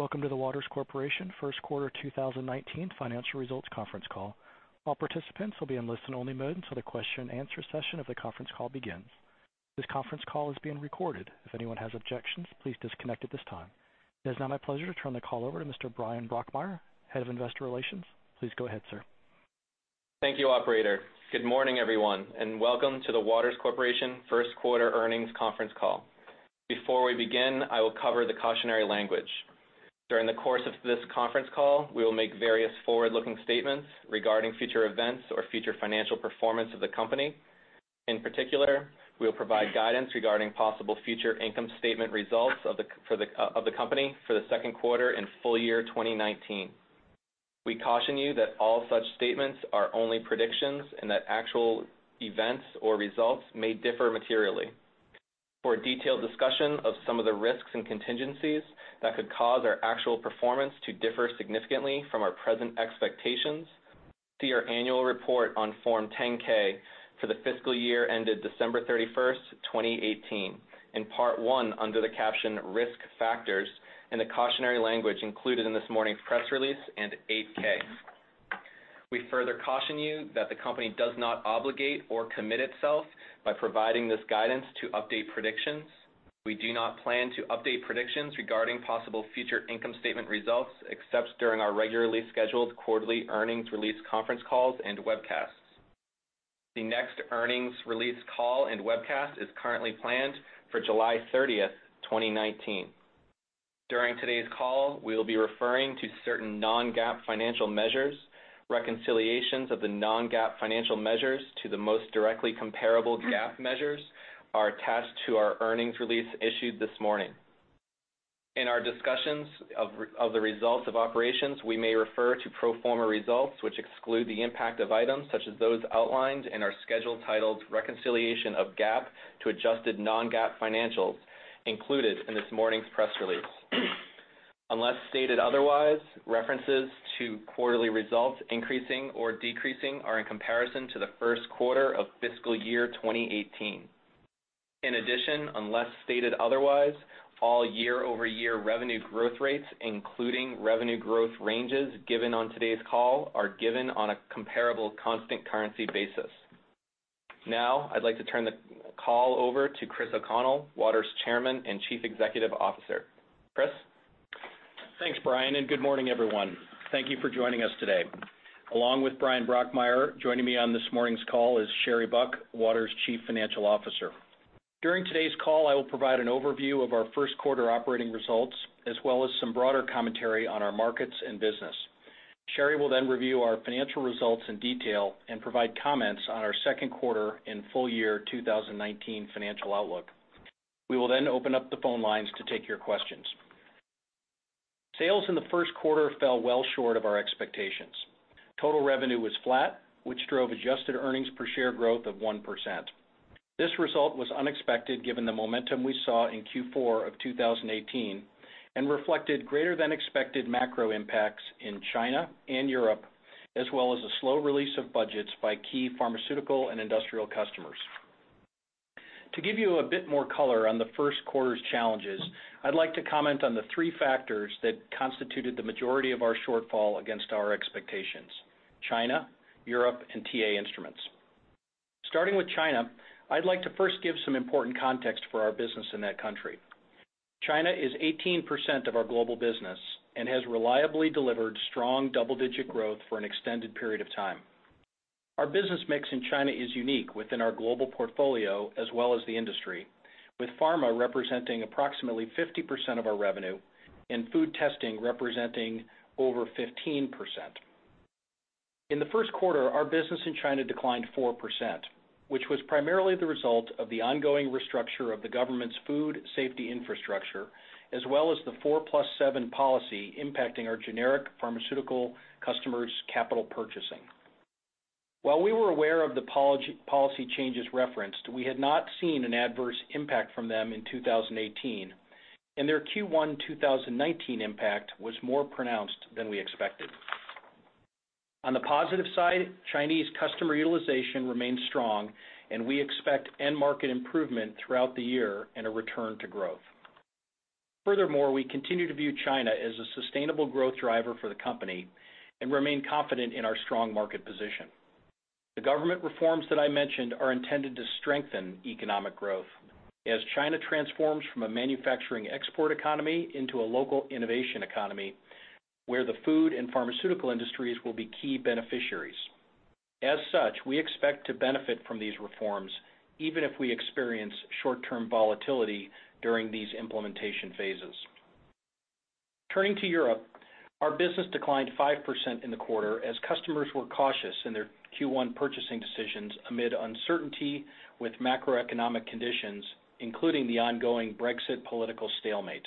Welcome to the Waters Corporation First Quarter 2019 Financial Results Conference Call. All participants will be in listen-only mode until the question-and-answer session of the conference call begins. This conference call is being recorded. If anyone has objections, please disconnect at this time. It is now my pleasure to turn the call over to Mr. Bryan Brokmeier, Head of Investor Relations. Please go ahead, sir. Thank you, Operator. Good morning, everyone, and welcome to the Waters Corporation First Quarter Earnings Conference Call. Before we begin, I will cover the cautionary language. During the course of this conference call, we will make various forward-looking statements regarding future events or future financial performance of the company. In particular, we will provide guidance regarding possible future income statement results for the company for the second quarter and full year 2019. We caution you that all such statements are only predictions and that actual events or results may differ materially. For a detailed discussion of some of the risks and contingencies that could cause our actual performance to differ significantly from our present expectations, see our annual report on Form 10-K for the fiscal year ended December 31st, 2018, in Part 1 under the caption Risk Factors and the cautionary language included in this morning's press release and 8-K. We further caution you that the company does not obligate or commit itself by providing this guidance to update predictions. We do not plan to update predictions regarding possible future income statement results except during our regularly scheduled quarterly earnings release conference calls and webcasts. The next earnings release call and webcast is currently planned for July 30th, 2019. During today's call, we will be referring to certain non-GAAP financial measures. Reconciliations of the non-GAAP financial measures to the most directly comparable GAAP measures are attached to our earnings release issued this morning. In our discussions of the results of operations, we may refer to pro forma results which exclude the impact of items such as those outlined in our schedule titled Reconciliation of GAAP to Adjusted Non-GAAP Financials included in this morning's press release. Unless stated otherwise, references to quarterly results increasing or decreasing are in comparison to the first quarter of fiscal year 2018. In addition, unless stated otherwise, all year-over-year revenue growth rates, including revenue growth ranges given on today's call, are given on a comparable constant currency basis. Now, I'd like to turn the call over to Chris O'Connell, Waters Chairman and Chief Executive Officer. Chris. Thanks, Bryan, and good morning, everyone. Thank you for joining us today. Along with Bryan Brokmeier, joining me on this morning's call is Sherry Buck, Waters' Chief Financial Officer. During today's call, I will provide an overview of our first quarter operating results as well as some broader commentary on our markets and business. Sherry will then review our financial results in detail and provide comments on our second quarter and full year 2019 financial outlook. We will then open up the phone lines to take your questions. Sales in the first quarter fell well short of our expectations. Total revenue was flat, which drove adjusted earnings per share growth of 1%. This result was unexpected given the momentum we saw in Q4 of 2018 and reflected greater than expected macro impacts in China and Europe, as well as a slow release of budgets by key pharmaceutical and industrial customers. To give you a bit more color on the first quarter's challenges, I'd like to comment on the three factors that constituted the majority of our shortfall against our expectations: China, Europe, and TA Instruments. Starting with China, I'd like to first give some important context for our business in that country. China is 18% of our global business and has reliably delivered strong double-digit growth for an extended period of time. Our business mix in China is unique within our global portfolio as well as the industry, with pharma representing approximately 50% of our revenue and food testing representing over 15%. In the first quarter, our business in China declined 4%, which was primarily the result of the ongoing restructure of the government's food safety infrastructure as well as the 4+7 policy impacting our generic pharmaceutical customers' capital purchasing. While we were aware of the policy changes referenced, we had not seen an adverse impact from them in 2018, and their Q1 2019 impact was more pronounced than we expected. On the positive side, Chinese customer utilization remains strong, and we expect end-market improvement throughout the year and a return to growth. Furthermore, we continue to view China as a sustainable growth driver for the company and remain confident in our strong market position. The government reforms that I mentioned are intended to strengthen economic growth as China transforms from a manufacturing export economy into a local innovation economy where the food and pharmaceutical industries will be key beneficiaries. As such, we expect to benefit from these reforms even if we experience short-term volatility during these implementation phases. Turning to Europe, our business declined 5% in the quarter as customers were cautious in their Q1 purchasing decisions amid uncertainty with macroeconomic conditions, including the ongoing Brexit political stalemate.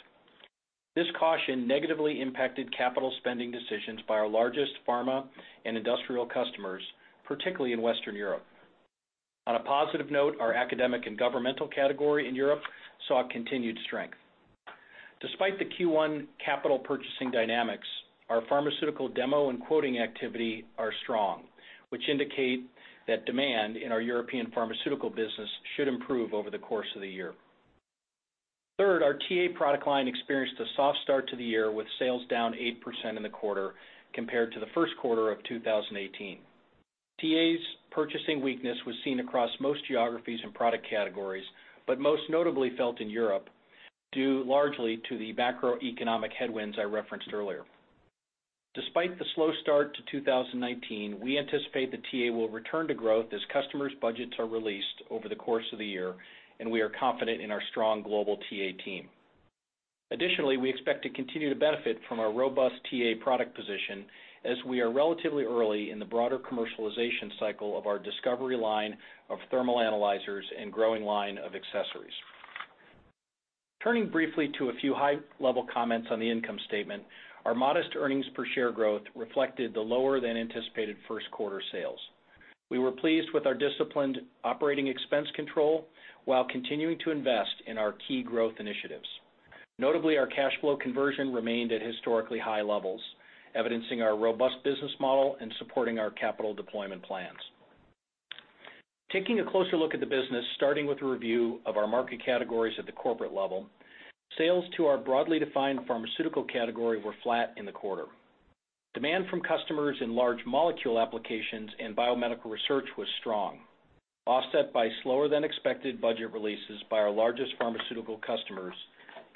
This caution negatively impacted capital spending decisions by our largest pharma and industrial customers, particularly in Western Europe. On a positive note, our academic and governmental category in Europe saw continued strength. Despite the Q1 capital purchasing dynamics, our pharmaceutical demo and quoting activity are strong, which indicate that demand in our European pharmaceutical business should improve over the course of the year. Third, our TA product line experienced a soft start to the year with sales down 8% in the quarter compared to the first quarter of 2018. TA's purchasing weakness was seen across most geographies and product categories, but most notably felt in Europe due largely to the macroeconomic headwinds I referenced earlier. Despite the slow start to 2019, we anticipate the TA will return to growth as customers' budgets are released over the course of the year, and we are confident in our strong global TA team. Additionally, we expect to continue to benefit from our robust TA product position as we are relatively early in the broader commercialization cycle of our Discovery line of thermal analyzers and growing line of accessories. Turning briefly to a few high-level comments on the income statement, our modest earnings per share growth reflected the lower-than-anticipated first quarter sales. We were pleased with our disciplined operating expense control while continuing to invest in our key growth initiatives. Notably, our cash flow conversion remained at historically high levels, evidencing our robust business model and supporting our capital deployment plans. Taking a closer look at the business, starting with a review of our market categories at the corporate level, sales to our broadly defined pharmaceutical category were flat in the quarter. Demand from customers in large molecule applications and biomedical research was strong, offset by slower-than-expected budget releases by our largest pharmaceutical customers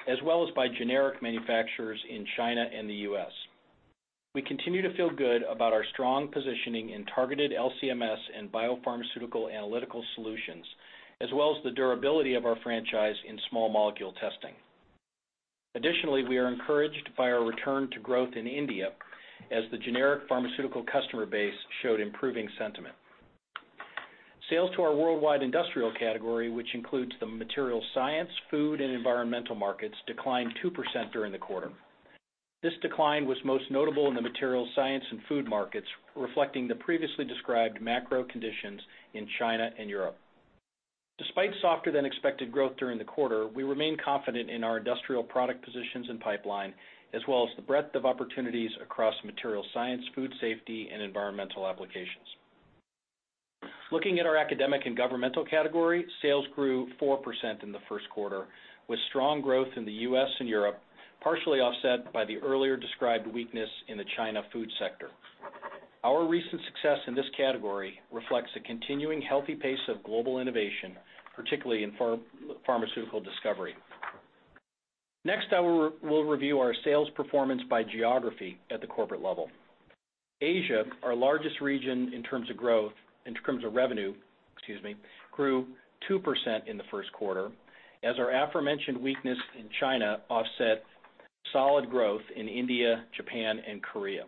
as well as by generic manufacturers in China and the U.S. We continue to feel good about our strong positioning in targeted LC-MS and biopharmaceutical analytical solutions as well as the durability of our franchise in small molecule testing. Additionally, we are encouraged by our return to growth in India as the generic pharmaceutical customer base showed improving sentiment. Sales to our worldwide industrial category, which includes the materials science, food, and environmental markets, declined 2% during the quarter. This decline was most notable in the materials science and food markets, reflecting the previously described macro conditions in China and Europe. Despite softer-than-expected growth during the quarter, we remain confident in our industrial product positions and pipeline as well as the breadth of opportunities across materials science, food safety, and environmental applications. Looking at our academic and governmental category, sales grew 4% in the first quarter with strong growth in the U.S. and Europe, partially offset by the earlier described weakness in the China food sector. Our recent success in this category reflects a continuing healthy pace of global innovation, particularly in pharmaceutical discovery. Next, I will review our sales performance by geography at the corporate level. Asia, our largest region in terms of growth and in terms of revenue, grew 2% in the first quarter as our aforementioned weakness in China offset solid growth in India, Japan, and Korea.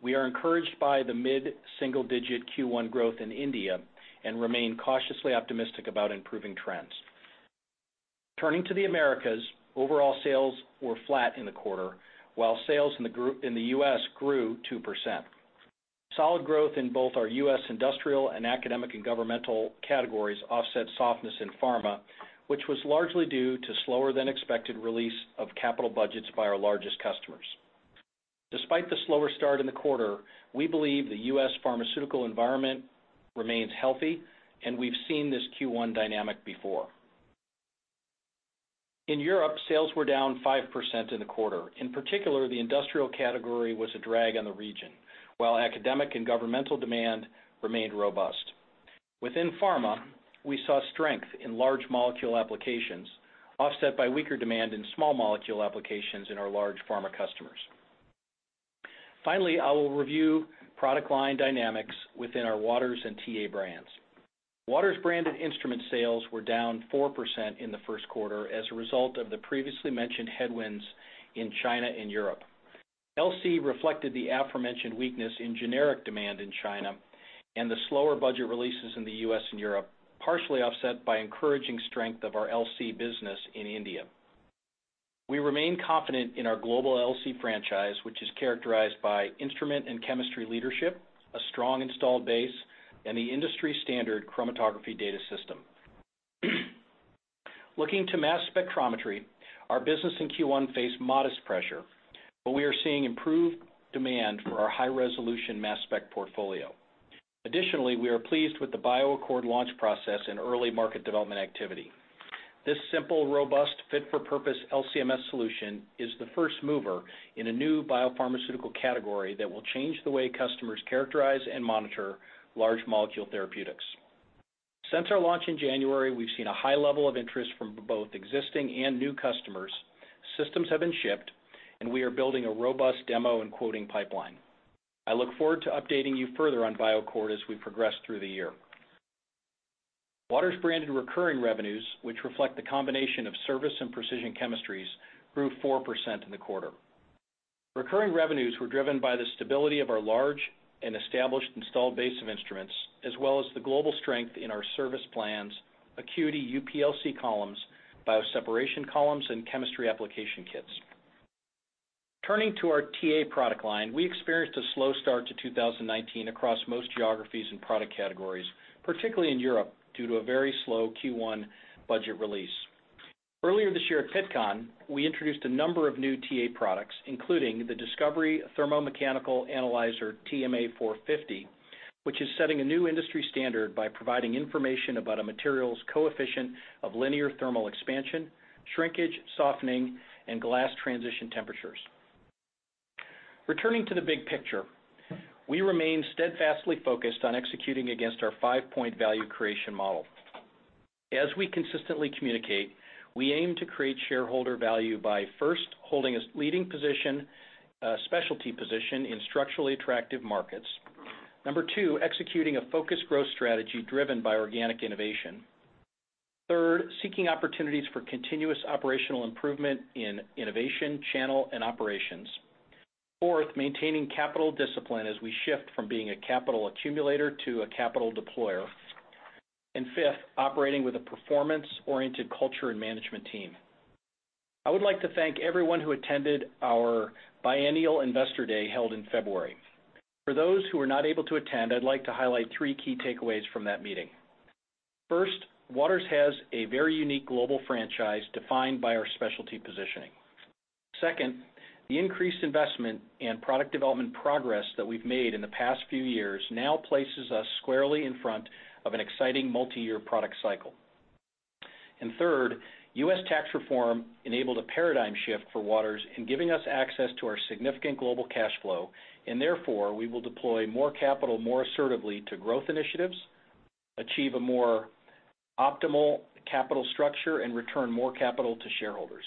We are encouraged by the mid-single-digit Q1 growth in India and remain cautiously optimistic about improving trends. Turning to the Americas, overall sales were flat in the quarter while sales in the U.S. grew 2%. Solid growth in both our U.S. industrial and academic and governmental categories offset softness in pharma, which was largely due to slower-than-expected release of capital budgets by our largest customers. Despite the slower start in the quarter, we believe the U.S. pharmaceutical environment remains healthy, and we've seen this Q1 dynamic before. In Europe, sales were down 5% in the quarter. In particular, the industrial category was a drag on the region while academic and governmental demand remained robust. Within pharma, we saw strength in large molecule applications offset by weaker demand in small molecule applications in our large pharma customers. Finally, I will review product line dynamics within our Waters and TA brands. Waters branded instrument sales were down 4% in the first quarter as a result of the previously mentioned headwinds in China and Europe. LC reflected the aforementioned weakness in generic demand in China and the slower budget releases in the U.S. and Europe, partially offset by encouraging strength of our LC business in India. We remain confident in our global LC franchise, which is characterized by instrument and chemistry leadership, a strong installed base, and the industry-standard chromatography data system. Looking to mass spectrometry, our business in Q1 faced modest pressure, but we are seeing improved demand for our high-resolution mass spec portfolio. Additionally, we are pleased with the BioAccord launch process and early market development activity. This simple, robust, fit-for-purpose LC-MS solution is the first mover in a new biopharmaceutical category that will change the way customers characterize and monitor large molecule therapeutics. Since our launch in January, we've seen a high level of interest from both existing and new customers. Systems have been shipped, and we are building a robust demo and quoting pipeline. I look forward to updating you further on BioAccord as we progress through the year. Waters branded recurring revenues, which reflect the combination of service and precision chemistries, grew 4% in the quarter. Recurring revenues were driven by the stability of our large and established installed base of instruments as well as the global strength in our service plans, ACQUITY UPLC columns, bioseparation columns, and chemistry application kits. Turning to our TA product line, we experienced a slow start to 2019 across most geographies and product categories, particularly in Europe due to a very slow Q1 budget release. Earlier this year at Pittcon, we introduced a number of new TA products, including the Discovery Thermomechanical Analyzer TMA 450, which is setting a new industry standard by providing information about a material's coefficient of linear thermal expansion, shrinkage, softening, and glass transition temperatures. Returning to the big picture, we remain steadfastly focused on executing against our five-point value creation model. As we consistently communicate, we aim to create shareholder value by, first, holding a leading specialty position in structurally attractive markets. Number two, executing a focused growth strategy driven by organic innovation. Third, seeking opportunities for continuous operational improvement in innovation, channel, and operations. Fourth, maintaining capital discipline as we shift from being a capital accumulator to a capital deployer. Fifth, operating with a performance-oriented culture and management team. I would like to thank everyone who attended our biennial Investor Day held in February. For those who were not able to attend, I'd like to highlight three key takeaways from that meeting. First, Waters has a very unique global franchise defined by our specialty positioning. Second, the increased investment and product development progress that we've made in the past few years now places us squarely in front of an exciting multi-year product cycle. And third, U.S. tax reform enabled a paradigm shift for Waters in giving us access to our significant global cash flow, and therefore we will deploy more capital more assertively to growth initiatives, achieve a more optimal capital structure, and return more capital to shareholders.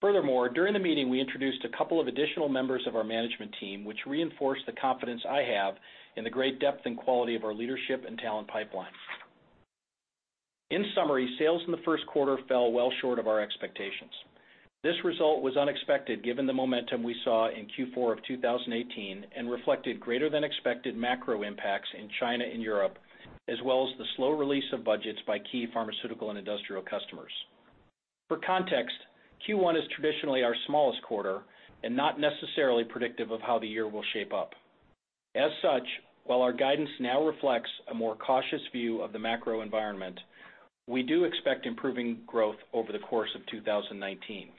Furthermore, during the meeting, we introduced a couple of additional members of our management team, which reinforced the confidence I have in the great depth and quality of our leadership and talent pipeline. In summary, sales in the first quarter fell well short of our expectations. This result was unexpected given the momentum we saw in Q4 of 2018 and reflected greater-than-expected macro impacts in China and Europe as well as the slow release of budgets by key pharmaceutical and industrial customers. For context, Q1 is traditionally our smallest quarter and not necessarily predictive of how the year will shape up. As such, while our guidance now reflects a more cautious view of the macro environment, we do expect improving growth over the course of 2019.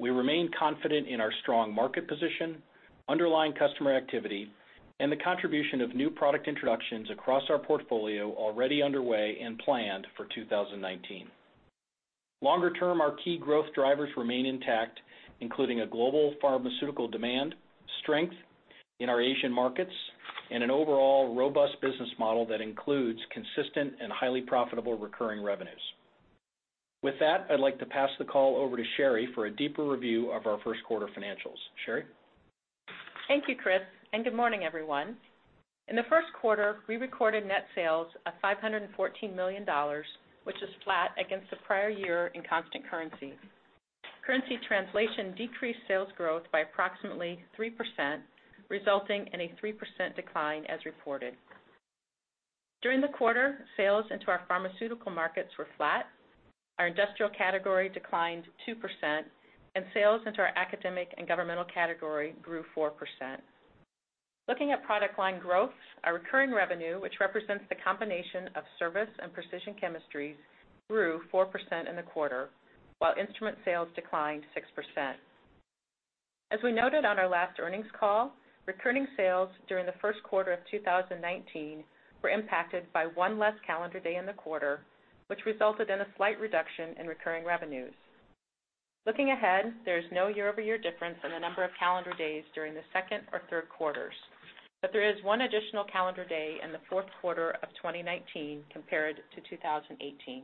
We remain confident in our strong market position, underlying customer activity, and the contribution of new product introductions across our portfolio already underway and planned for 2019. Longer term, our key growth drivers remain intact, including a global pharmaceutical demand, strength in our Asian markets, and an overall robust business model that includes consistent and highly profitable recurring revenues. With that, I'd like to pass the call over to Sherry for a deeper review of our first quarter financials. Sherry. Thank you, Chris, and good morning, everyone. In the first quarter, we recorded net sales of $514 million, which is flat against the prior year in constant currency. Currency translation decreased sales growth by approximately 3%, resulting in a 3% decline as reported. During the quarter, sales into our pharmaceutical markets were flat. Our industrial category declined 2%, and sales into our academic and governmental category grew 4%. Looking at product line growth, our recurring revenue, which represents the combination of service and precision chemistries, grew 4% in the quarter, while instrument sales declined 6%. As we noted on our last earnings call, recurring sales during the first quarter of 2019 were impacted by one less calendar day in the quarter, which resulted in a slight reduction in recurring revenues. Looking ahead, there is no year-over-year difference in the number of calendar days during the second or third quarters, but there is one additional calendar day in the fourth quarter of 2019 compared to 2018.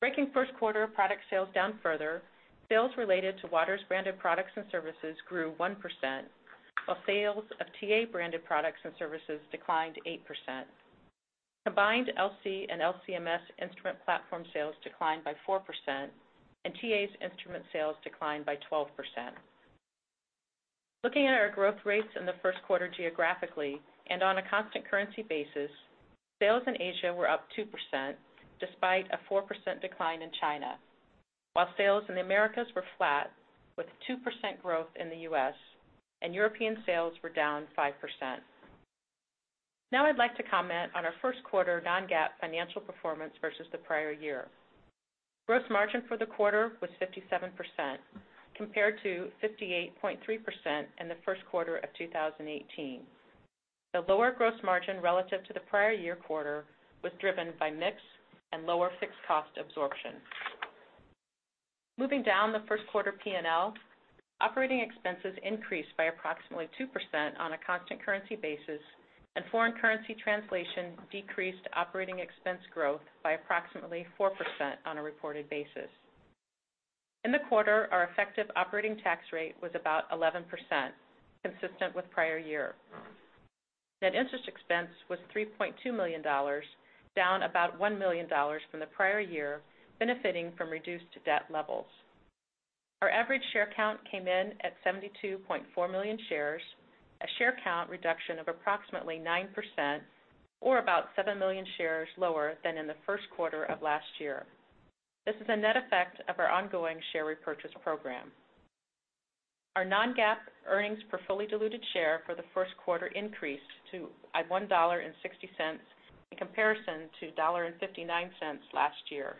Breaking first quarter product sales down further, sales related to Waters branded products and services grew 1%, while sales of TA branded products and services declined 8%. Combined LC and LC-MS instrument platform sales declined by 4%, and TA's instrument sales declined by 12%. Looking at our growth rates in the first quarter geographically and on a constant currency basis, sales in Asia were up 2% despite a 4% decline in China, while sales in the Americas were flat with 2% growth in the U.S., and European sales were down 5%. Now I'd like to comment on our first quarter non-GAAP financial performance versus the prior year. Gross margin for the quarter was 57% compared to 58.3% in the first quarter of 2018. The lower gross margin relative to the prior year quarter was driven by mix and lower fixed cost absorption. Moving down the first quarter P&L, operating expenses increased by approximately 2% on a constant currency basis, and foreign currency translation decreased operating expense growth by approximately 4% on a reported basis. In the quarter, our effective operating tax rate was about 11%, consistent with prior year. Net interest expense was $3.2 million, down about $1 million from the prior year, benefiting from reduced debt levels. Our average share count came in at 72.4 million shares, a share count reduction of approximately 9%, or about 7 million shares lower than in the first quarter of last year. This is a net effect of our ongoing share repurchase program. Our non-GAAP earnings per fully diluted share for the first quarter increased to $1.60 in comparison to $1.59 last year.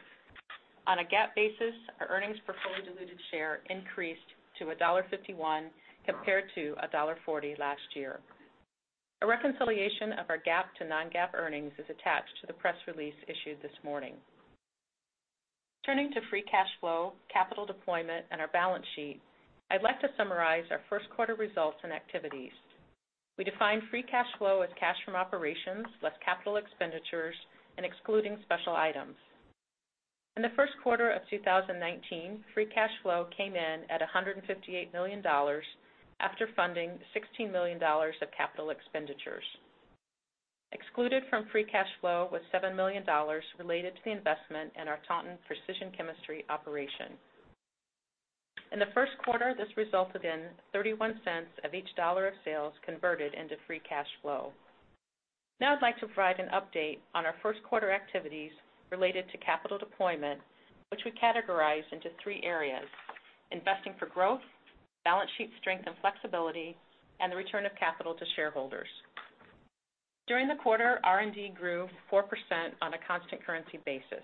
On a GAAP basis, our earnings per fully diluted share increased to $1.51 compared to $1.40 last year. A reconciliation of our GAAP to non-GAAP earnings is attached to the press release issued this morning. Turning to free cash flow, capital deployment, and our balance sheet, I'd like to summarize our first quarter results and activities. We defined free cash flow as cash from operations less capital expenditures and excluding special items. In the first quarter of 2019, free cash flow came in at $158 million after funding $16 million of capital expenditures. Excluded from free cash flow was $7 million related to the investment in our Taunton precision chemistry operation. In the first quarter, this resulted in 31 cents of each dollar of sales converted into free cash flow. Now I'd like to provide an update on our first quarter activities related to capital deployment, which we categorized into three areas: investing for growth, balance sheet strength and flexibility, and the return of capital to shareholders. During the quarter, R&D grew 4% on a constant currency basis.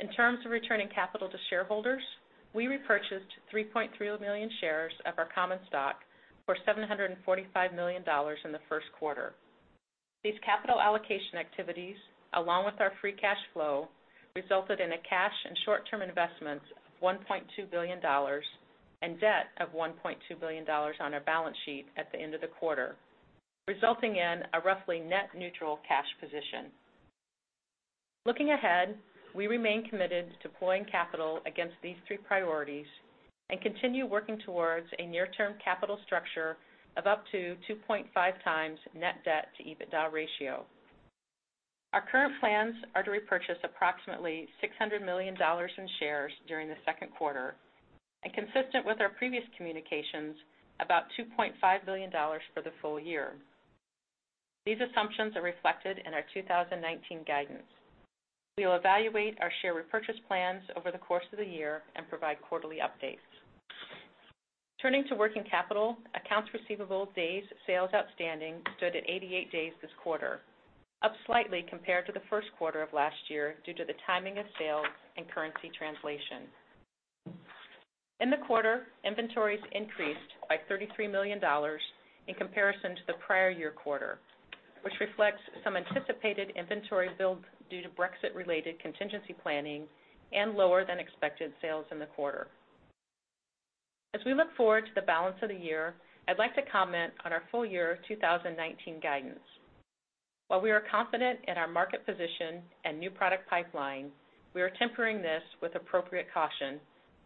In terms of returning capital to shareholders, we repurchased 3.3 million shares of our common stock for $745 million in the first quarter. These capital allocation activities, along with our free cash flow, resulted in a cash and short-term investment of $1.2 billion and debt of $1.2 billion on our balance sheet at the end of the quarter, resulting in a roughly net neutral cash position. Looking ahead, we remain committed to deploying capital against these three priorities and continue working towards a near-term capital structure of up to 2.5 times net debt to EBITDA ratio. Our current plans are to repurchase approximately $600 million in shares during the second quarter and, consistent with our previous communications, about $2.5 million for the full year. These assumptions are reflected in our 2019 guidance. We will evaluate our share repurchase plans over the course of the year and provide quarterly updates. Turning to working capital, accounts receivable days sales outstanding stood at 88 days this quarter, up slightly compared to the first quarter of last year due to the timing of sales and currency translation. In the quarter, inventories increased by $33 million in comparison to the prior year quarter, which reflects some anticipated inventory build due to Brexit-related contingency planning and lower-than-expected sales in the quarter. As we look forward to the balance of the year, I'd like to comment on our full year 2019 guidance. While we are confident in our market position and new product pipeline, we are tempering this with appropriate caution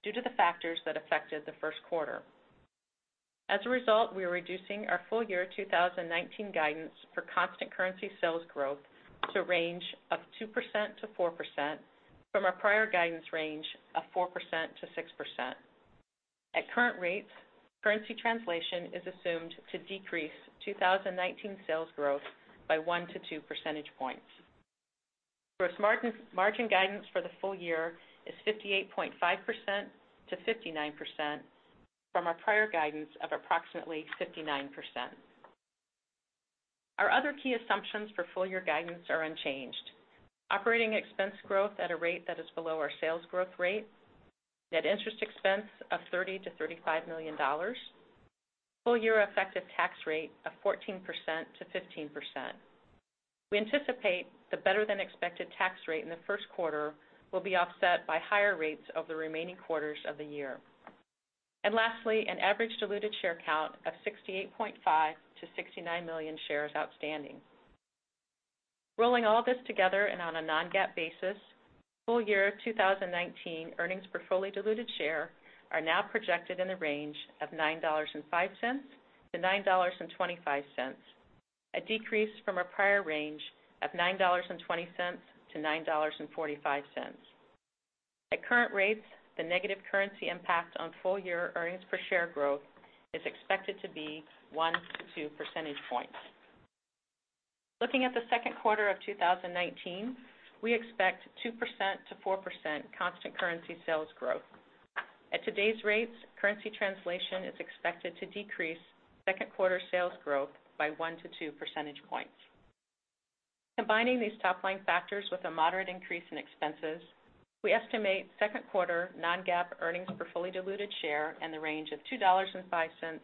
due to the factors that affected the first quarter. As a result, we are reducing our full year 2019 guidance for constant currency sales growth to a range of 2% to 4% from our prior guidance range of 4% to 6%. At current rates, currency translation is assumed to decrease 2019 sales growth by one to two percentage points. Gross margin guidance for the full year is 58.5%-59% from our prior guidance of approximately 59%. Our other key assumptions for full year guidance are unchanged: operating expense growth at a rate that is below our sales growth rate, net interest expense of $30-$35 million, full year effective tax rate of 14%-15%. We anticipate the better-than-expected tax rate in the first quarter will be offset by higher rates over the remaining quarters of the year, and lastly, an average diluted share count of 68.5-69 million shares outstanding. Rolling all this together and on a non-GAAP basis, full year 2019 earnings per fully diluted share are now projected in the range of $9.05-$9.25, a decrease from our prior range of $9.20-$9.45. At current rates, the negative currency impact on full year earnings per share growth is expected to be One-Two percentage points. Looking at the second quarter of 2019, we expect 2%-4% constant currency sales growth. At today's rates, currency translation is expected to decrease second quarter sales growth by One-Two percentage points. Combining these top-line factors with a moderate increase in expenses, we estimate second quarter non-GAAP earnings per fully diluted share in the range of $2.05-$2.15.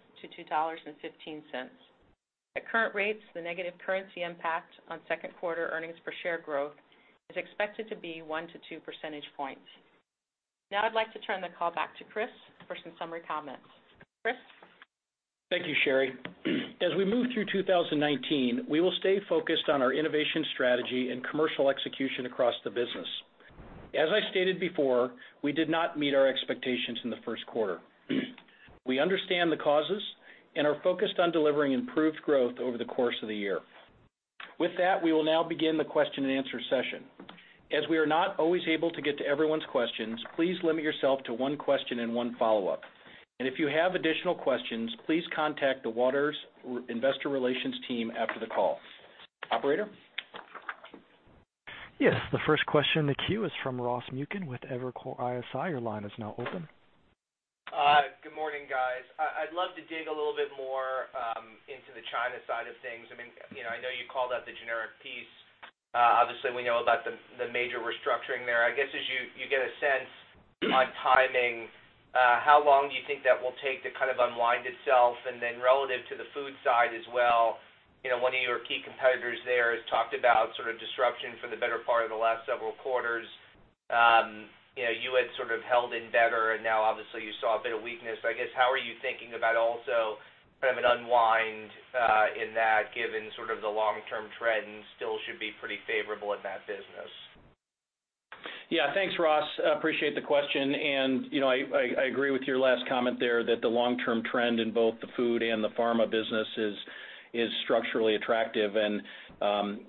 At current rates, the negative currency impact on second quarter earnings per share growth is expected to be One-Two percentage points. Now I'd like to turn the call back to Chris for some summary comments. Chris. Thank you, Sherry. As we move through 2019, we will stay focused on our innovation strategy and commercial execution across the business. As I stated before, we did not meet our expectations in the first quarter. We understand the causes and are focused on delivering improved growth over the course of the year. With that, we will now begin the question and answer session. As we are not always able to get to everyone's questions, please limit yourself to one question and one follow-up. And if you have additional questions, please contact the Waters Investor Relations team after the call. Operator? Yes. The first question in the queue is from Ross Mukin with Evercore ISI. Your line is now open. Good morning, guys. I'd love to dig a little bit more into the China side of things. I mean, I know you called out the generic piece. Obviously, we know about the major restructuring there. I guess as you get a sense on timing, how long do you think that will take to kind of unwind itself? And then relative to the food side as well, one of your key competitors there has talked about sort of disruption for the better part of the last several quarters. You had sort of held in better, and now obviously you saw a bit of weakness. I guess how are you thinking about also kind of an unwind in that given sort of the long-term trend still should be pretty favorable in that business? Yeah. Thanks, Ross. Appreciate the question, and I agree with your last comment there that the long-term trend in both the food and the pharma business is structurally attractive. And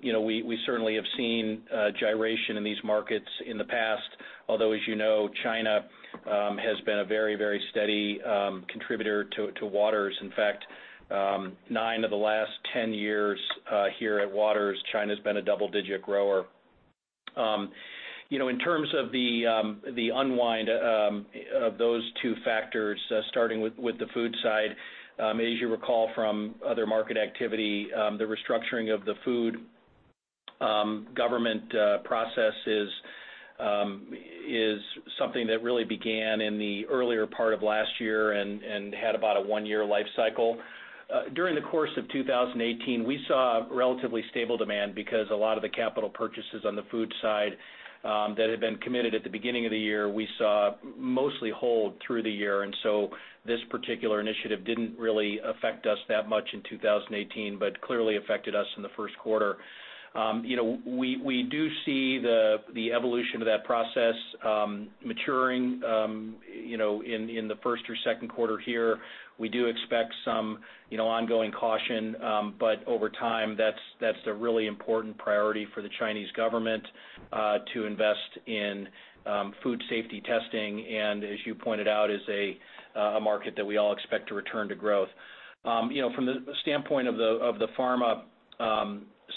we certainly have seen gyration in these markets in the past, although, as you know, China has been a very, very steady contributor to Waters. In fact, nine of the last 10 years here at Waters, China has been a double-digit grower. In terms of the unwind of those two factors, starting with the food side, as you recall from other market activity, the restructuring of the food government process is something that really began in the earlier part of last year and had about a one-year life cycle. During the course of 2018, we saw relatively stable demand because a lot of the capital purchases on the food side that had been committed at the beginning of the year, we saw mostly hold through the year. And so this particular initiative didn't really affect us that much in 2018, but clearly affected us in the first quarter. We do see the evolution of that process maturing in the first or second quarter here. We do expect some ongoing caution, but over time, that's a really important priority for the Chinese government to invest in food safety testing. And as you pointed out, it is a market that we all expect to return to growth. From the standpoint of the pharma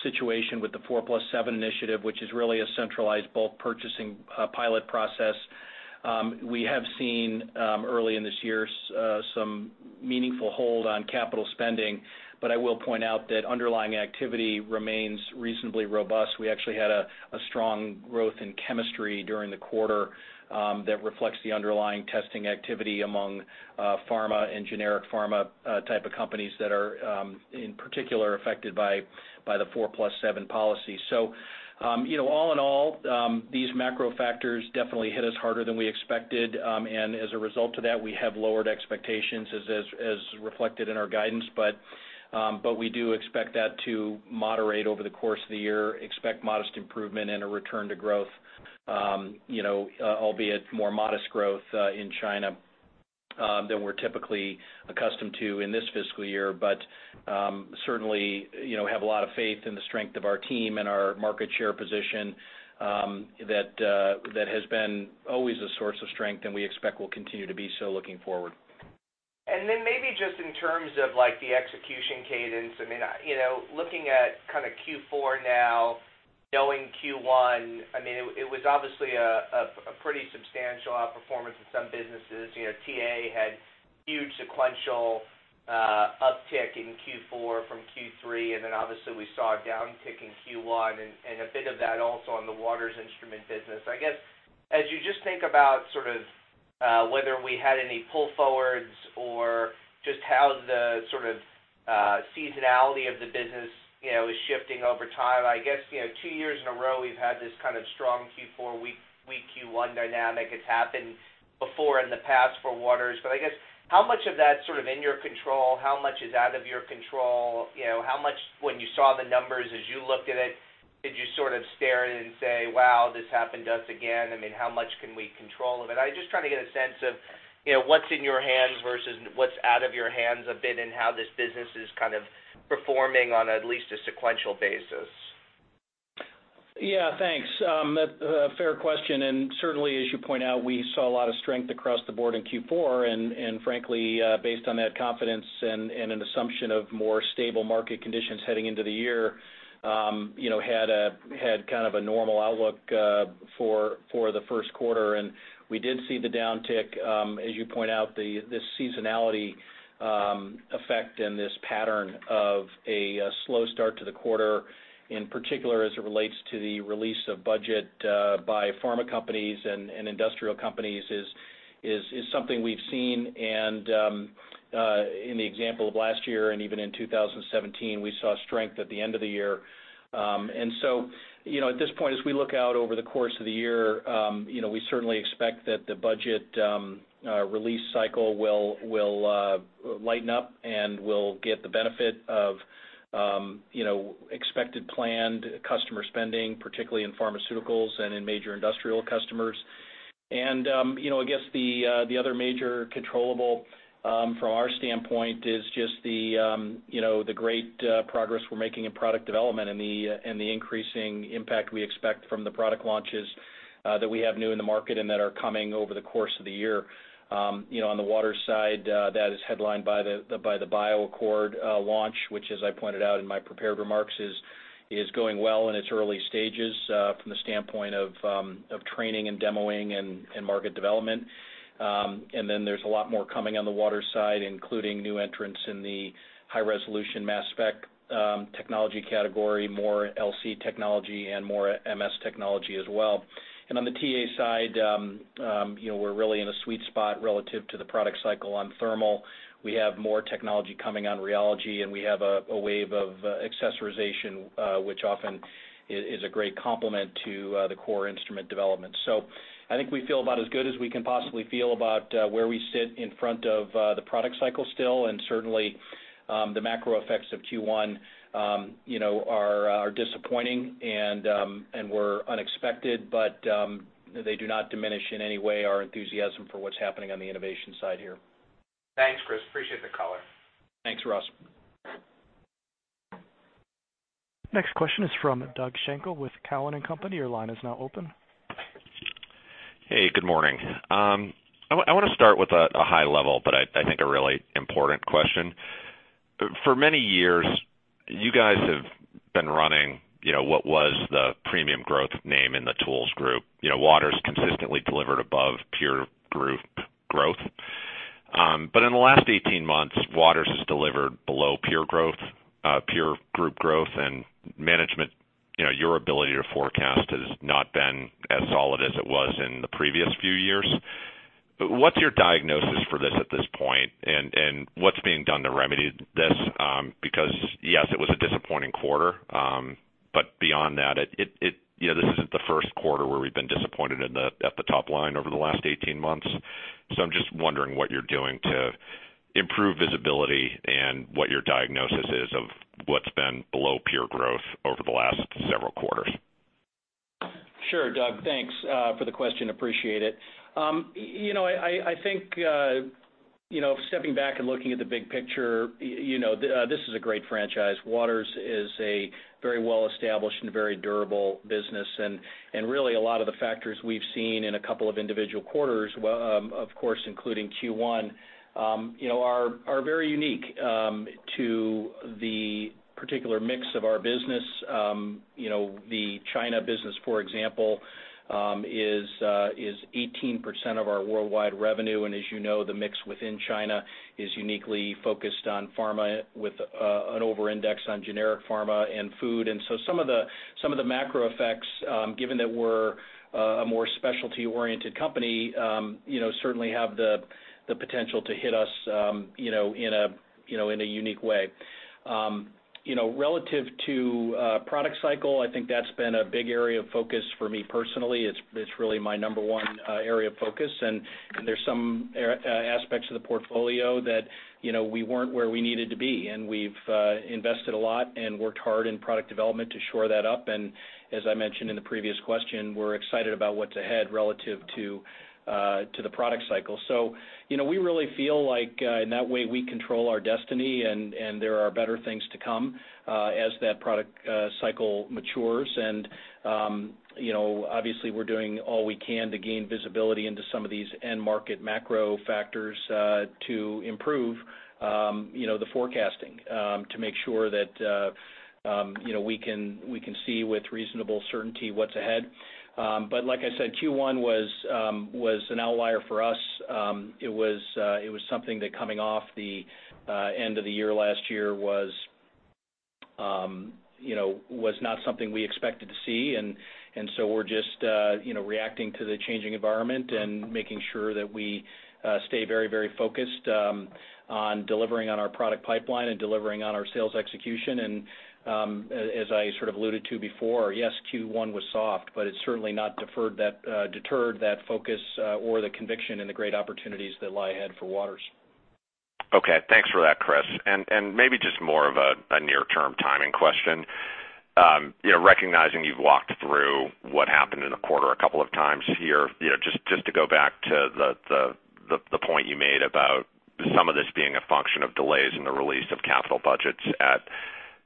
situation with the 4+7 initiative, which is really a centralized bulk purchasing pilot process, we have seen early in this year some meaningful hold on capital spending. But I will point out that underlying activity remains reasonably robust. We actually had a strong growth in chemistry during the quarter that reflects the underlying testing activity among pharma and generic pharma type of companies that are in particular affected by the 4+7 policy. So all in all, these macro factors definitely hit us harder than we expected. And as a result of that, we have lowered expectations as reflected in our guidance. But we do expect that to moderate over the course of the year, expect modest improvement and a return to growth, albeit more modest growth in China than we're typically accustomed to in this fiscal year. But certainly, have a lot of faith in the strength of our team and our market share position that has been always a source of strength, and we expect will continue to be so looking forward. And then maybe just in terms of the execution cadence, I mean, looking at kind of Q4 now, knowing Q1, I mean, it was obviously a pretty substantial outperformance in some businesses. TA had huge sequential uptick in Q4 from Q3. And then obviously, we saw a downtick in Q1 and a bit of that also on the Waters Instrument business. I guess as you just think about sort of whether we had any pull forwards or just how the sort of seasonality of the business is shifting over time, I guess two years in a row we've had this kind of strong Q4, weak Q1 dynamic. It's happened before in the past for Waters. But I guess how much of that's sort of in your control? How much is out of your control? When you saw the numbers as you looked at it, did you sort of stare at it and say, "Wow, this happened to us again"? I mean, how much can we control of it? I'm just trying to get a sense of what's in your hands versus what's out of your hands a bit and how this business is kind of performing on at least a sequential basis. Yeah. Thanks. Fair question. Certainly, as you point out, we saw a lot of strength across the board in Q4. Frankly, based on that confidence and an assumption of more stable market conditions heading into the year, we had kind of a normal outlook for the first quarter. We did see the downtick, as you point out. This seasonality effect and this pattern of a slow start to the quarter, in particular as it relates to the release of budgets by pharma companies and industrial companies, is something we've seen. In the example of last year and even in 2017, we saw strength at the end of the year. So at this point, as we look out over the course of the year, we certainly expect that the budget release cycle will lighten up and we'll get the benefit of expected planned customer spending, particularly in pharmaceuticals and in major industrial customers. I guess the other major controllable from our standpoint is just the great progress we're making in product development and the increasing impact we expect from the product launches that we have new in the market and that are coming over the course of the year. On the Waters side, that is headlined by the BioAccord launch, which, as I pointed out in my prepared remarks, is going well in its early stages from the standpoint of training and demoing and market development. And then there's a lot more coming on the Waters side, including new entrants in the high-resolution mass spec technology category, more LC technology, and more MS technology as well. And on the TA side, we're really in a sweet spot relative to the product cycle on thermal. We have more technology coming on rheology, and we have a wave of accessorization, which often is a great complement to the core instrument development. So I think we feel about as good as we can possibly feel about where we sit in front of the product cycle still. And certainly, the macro effects of Q1 are disappointing and were unexpected, but they do not diminish in any way our enthusiasm for what's happening on the innovation side here. Thanks, Chris. Appreciate the color. Thanks, Ross. Next question is from Doug Schenkel with Cowen and Company. Your line is now open. Hey, good morning. I want to start with a high level, but I think a really important question. For many years, you guys have been running what was the premium growth name in the tools group. Waters consistently delivered above peer group growth. But in the last 18 months, Waters has delivered below peer group growth, and management, your ability to forecast has not been as solid as it was in the previous few years. What's your diagnosis for this at this point? And what's being done to remedy this? Because yes, it was a disappointing quarter. But beyond that, this isn't the first quarter where we've been disappointed at the top line over the last 18 months. So I'm just wondering what you're doing to improve visibility and what your diagnosis is of what's been below peer growth over the last several quarters. Sure, Doug. Thanks for the question. Appreciate it. I think stepping back and looking at the big picture, this is a great franchise. Waters is a very well-established and very durable business, and really, a lot of the factors we've seen in a couple of individual quarters, of course, including Q1, are very unique to the particular mix of our business. The China business, for example, is 18% of our worldwide revenue, and as you know, the mix within China is uniquely focused on pharma with an over-index on generic pharma and food, and so some of the macro effects, given that we're a more specialty-oriented company, certainly have the potential to hit us in a unique way. Relative to product cycle, I think that's been a big area of focus for me personally. It's really my number one area of focus. And there are some aspects of the portfolio that we weren't where we needed to be. And we've invested a lot and worked hard in product development to shore that up. And as I mentioned in the previous question, we're excited about what's ahead relative to the product cycle. So we really feel like in that way, we control our destiny, and there are better things to come as that product cycle matures. And obviously, we're doing all we can to gain visibility into some of these end-market macro factors to improve the forecasting to make sure that we can see with reasonable certainty what's ahead. But like I said, Q1 was an outlier for us. It was something that coming off the end of the year last year was not something we expected to see. And so we're just reacting to the changing environment and making sure that we stay very, very focused on delivering on our product pipeline and delivering on our sales execution. And as I sort of alluded to before, yes, Q1 was soft, but it certainly deterred that focus or the conviction and the great opportunities that lie ahead for Waters. Okay. Thanks for that, Chris. And maybe just more of a near-term timing question. Recognizing you've walked through what happened in the quarter a couple of times here, just to go back to the point you made about some of this being a function of delays in the release of capital budgets at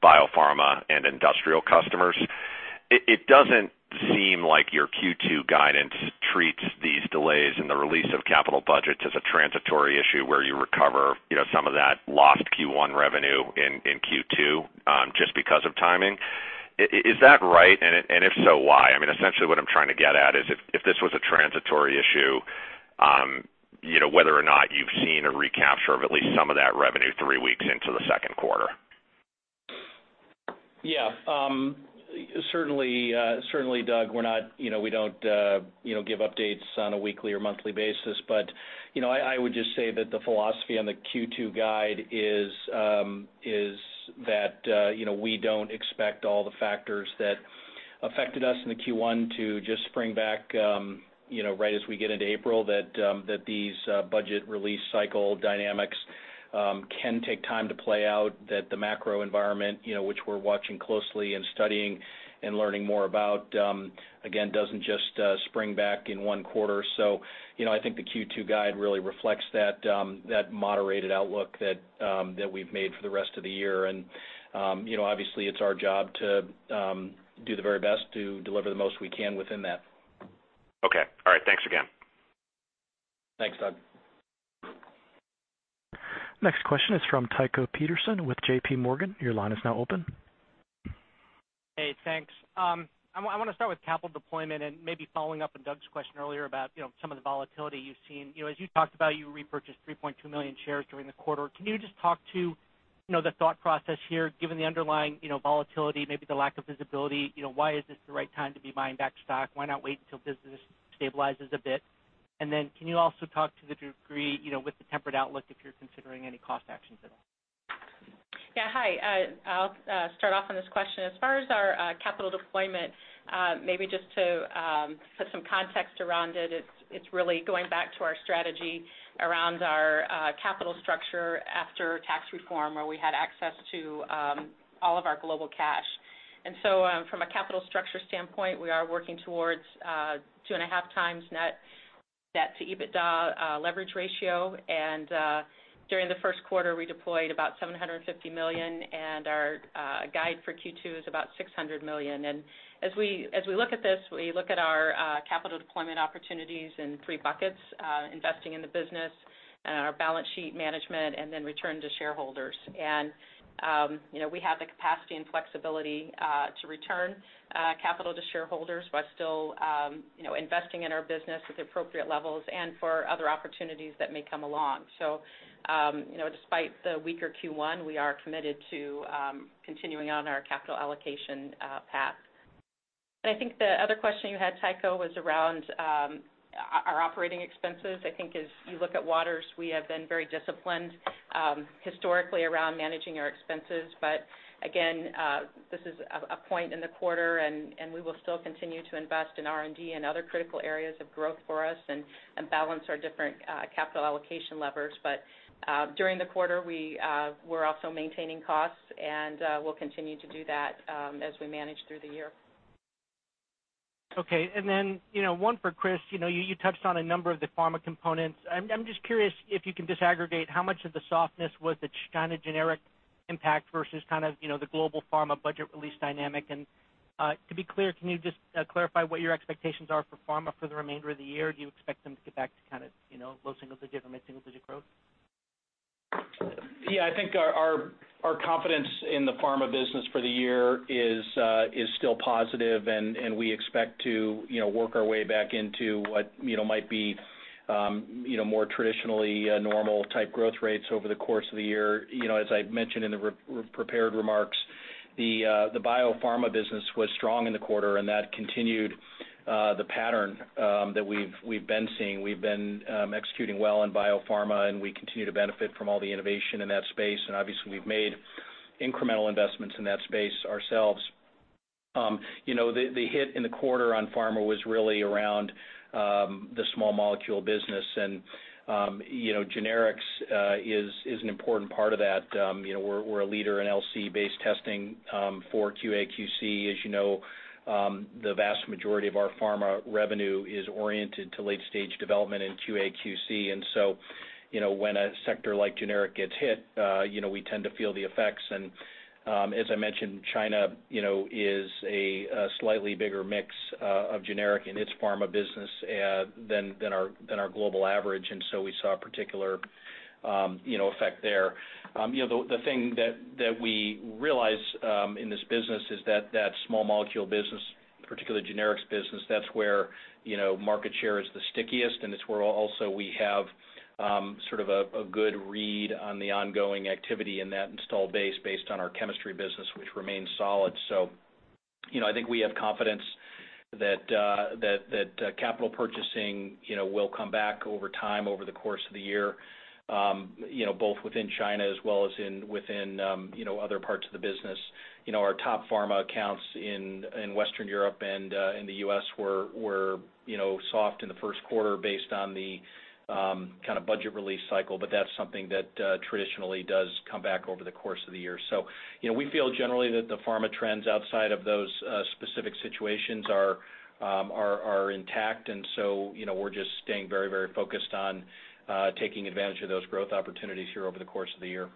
biopharma and industrial customers, it doesn't seem like your Q2 guidance treats these delays in the release of capital budgets as a transitory issue where you recover some of that lost Q1 revenue in Q2 just because of timing. Is that right? And if so, why? I mean, essentially, what I'm trying to get at is if this was a transitory issue, whether or not you've seen a recapture of at least some of that revenue three weeks into the second quarter? Yeah. Certainly, Doug, we don't give updates on a weekly or monthly basis. But I would just say that the philosophy on the Q2 guide is that we don't expect all the factors that affected us in the Q1 to just spring back right as we get into April, that these budget release cycle dynamics can take time to play out, that the macro environment, which we're watching closely and studying and learning more about, again, doesn't just spring back in one quarter. So I think the Q2 guide really reflects that moderated outlook that we've made for the rest of the year. And obviously, it's our job to do the very best to deliver the most we can within that. Okay. All right. Thanks again. Thanks, Doug. Next question is from Tycho Peterson with J.P. Morgan. Your line is now open. Hey, thanks. I want to start with capital deployment and maybe following up on Doug's question earlier about some of the volatility you've seen. As you talked about, you repurchased 3.2 million shares during the quarter. Can you just talk to the thought process here, given the underlying volatility, maybe the lack of visibility? Why is this the right time to be buying back stock? Why not wait until business stabilizes a bit? And then can you also talk to the degree with the tempered outlook if you're considering any cost actions at all? Yeah. Hi. I'll start off on this question. As far as our capital deployment, maybe just to put some context around it, it's really going back to our strategy around our capital structure after tax reform, where we had access to all of our global cash. So from a capital structure standpoint, we are working towards two and a half times net to EBITDA leverage ratio. During the first quarter, we deployed about $750 million, and our guide for Q2 is about $600 million. As we look at this, we look at our capital deployment opportunities in three buckets: investing in the business and our balance sheet management, and then return to shareholders. We have the capacity and flexibility to return capital to shareholders while still investing in our business at the appropriate levels and for other opportunities that may come along. Despite the weaker Q1, we are committed to continuing on our capital allocation path. I think the other question you had, Tycho, was around our operating expenses. I think as you look at Waters, we have been very disciplined historically around managing our expenses. But again, this is a point in the quarter, and we will still continue to invest in R&D and other critical areas of growth for us and balance our different capital allocation levers. But during the quarter, we were also maintaining costs, and we'll continue to do that as we manage through the year. Okay. And then one for Chris. You touched on a number of the pharma components. I'm just curious if you can disaggregate how much of the softness was the China generic impact versus kind of the global pharma budget release dynamic. And to be clear, can you just clarify what your expectations are for pharma for the remainder of the year? Do you expect them to get back to kind of low single-digit or mid-single-digit growth? Yeah. I think our confidence in the pharma business for the year is still positive, and we expect to work our way back into what might be more traditionally normal-type growth rates over the course of the year. As I mentioned in the prepared remarks, the biopharma business was strong in the quarter, and that continued the pattern that we've been seeing. We've been executing well in biopharma, and we continue to benefit from all the innovation in that space. And obviously, we've made incremental investments in that space ourselves. The hit in the quarter on pharma was really around the small molecule business. And generics is an important part of that. We're a leader in LC-based testing for QA/QC. As you know, the vast majority of our pharma revenue is oriented to late-stage development in QA/QC. And so when a sector like generic gets hit, we tend to feel the effects. And as I mentioned, China is a slightly bigger mix of generic in its pharma business than our global average. And so we saw a particular effect there. The thing that we realize in this business is that that small molecule business, particularly generics business, that's where market share is the stickiest, and it's where also we have sort of a good read on the ongoing activity in that installed base based on our chemistry business, which remains solid. So I think we have confidence that capital purchasing will come back over time over the course of the year, both within China as well as within other parts of the business. Our top pharma accounts in Western Europe and in the U.S. were soft in the first quarter based on the kind of budget release cycle, but that's something that traditionally does come back over the course of the year. So we feel generally that the pharma trends outside of those specific situations are intact. And so we're just staying very, very focused on taking advantage of those growth opportunities here over the course of the year.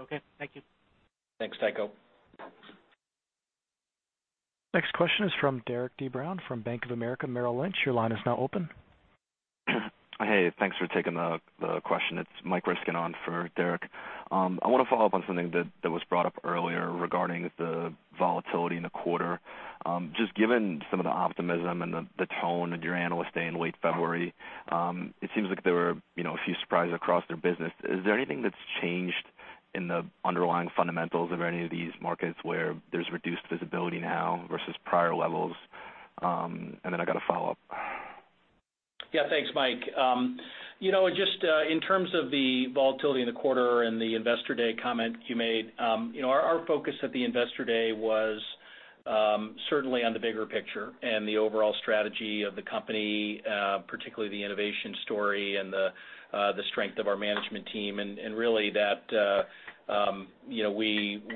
Okay. Thank you. Thanks, Tycho. Next question is from Derik de Bruin from Bank of America Merrill Lynch. Your line is now open. Hey, thanks for taking the question. It's Mike Ryskin for Derik. I want to follow up on something that was brought up earlier regarding the volatility in the quarter. Just given some of the optimism and the tone and your analyst day in late February, it seems like there were a few surprises across their business. Is there anything that's changed in the underlying fundamentals of any of these markets where there's reduced visibility now versus prior levels? And then I got a follow-up. Yeah. Thanks, Mike. Just in terms of the volatility in the quarter and the investor day comment you made, our focus at the investor day was certainly on the bigger picture and the overall strategy of the company, particularly the innovation story and the strength of our management team. And really, that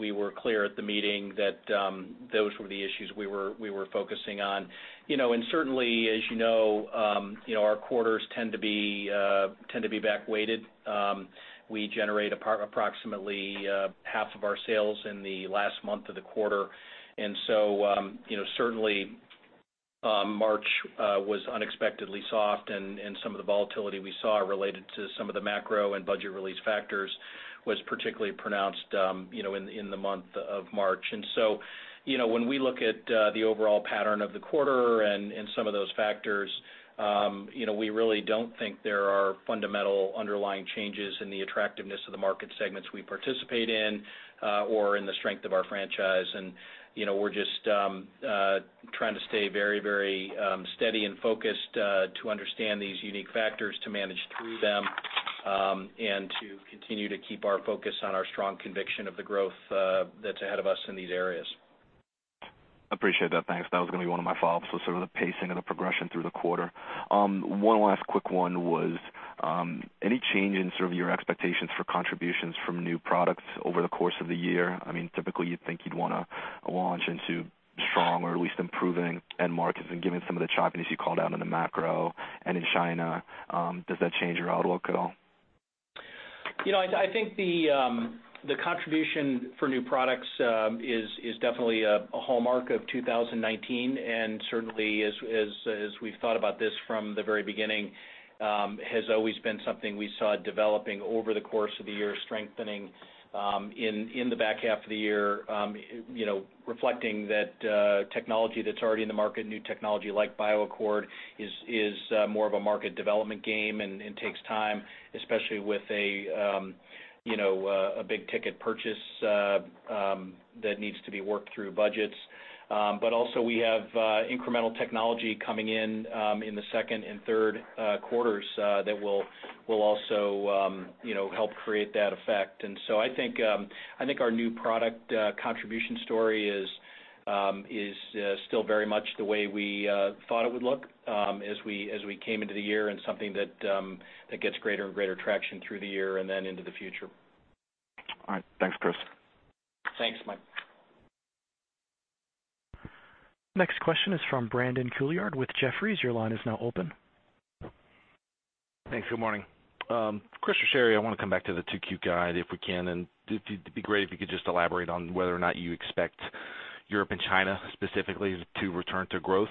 we were clear at the meeting that those were the issues we were focusing on. And certainly, as you know, our quarters tend to be back-weighted. We generate approximately half of our sales in the last month of the quarter. And so certainly, March was unexpectedly soft, and some of the volatility we saw related to some of the macro and budget release factors was particularly pronounced in the month of March. And so when we look at the overall pattern of the quarter and some of those factors, we really don't think there are fundamental underlying changes in the attractiveness of the market segments we participate in or in the strength of our franchise. And we're just trying to stay very, very steady and focused to understand these unique factors, to manage through them, and to continue to keep our focus on our strong conviction of the growth that's ahead of us in these areas. I appreciate that. Thanks. That was going to be one of my follow-ups was sort of the pacing of the progression through the quarter. One last quick one: was any change in sort of your expectations for contributions from new products over the course of the year? I mean, typically, you'd think you'd want to launch into strong or at least improving end markets and given some of the choppiness you called out on the macro and in China. Does that change your outlook at all? I think the contribution for new products is definitely a hallmark of 2019. And certainly, as we've thought about this from the very beginning, it has always been something we saw developing over the course of the year, strengthening in the back half of the year, reflecting that technology that's already in the market, new technology like BioAccord, is more of a market development game and takes time, especially with a big ticket purchase that needs to be worked through budgets. But also, we have incremental technology coming in in the second and third quarters that will also help create that effect. And so I think our new product contribution story is still very much the way we thought it would look as we came into the year and something that gets greater and greater traction through the year and then into the future. All right. Thanks, Chris. Thanks, Mike. Next question is from Brandon Couillard with Jefferies. Your line is now open. Thanks. Good morning. Chris or Sherry, I want to come back to the Q2 guide if we can. And it'd be great if you could just elaborate on whether or not you expect Europe and China specifically to return to growth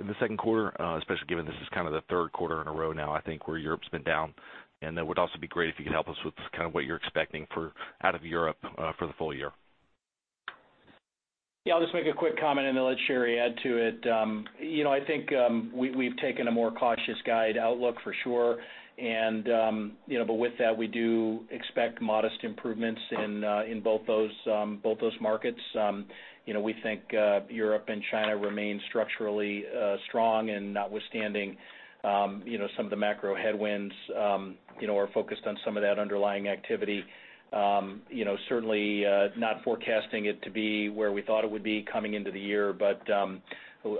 in the second quarter, especially given this is kind of the third quarter in a row now, I think, where Europe's been down. And it would also be great if you could help us with kind of what you're expecting out of Europe for the full year. Yeah. I'll just make a quick comment, and then let Sherry add to it. I think we've taken a more cautious guide outlook for sure. But with that, we do expect modest improvements in both those markets. We think Europe and China remain structurally strong and notwithstanding some of the macro headwinds, we're focused on some of that underlying activity. Certainly, not forecasting it to be where we thought it would be coming into the year, but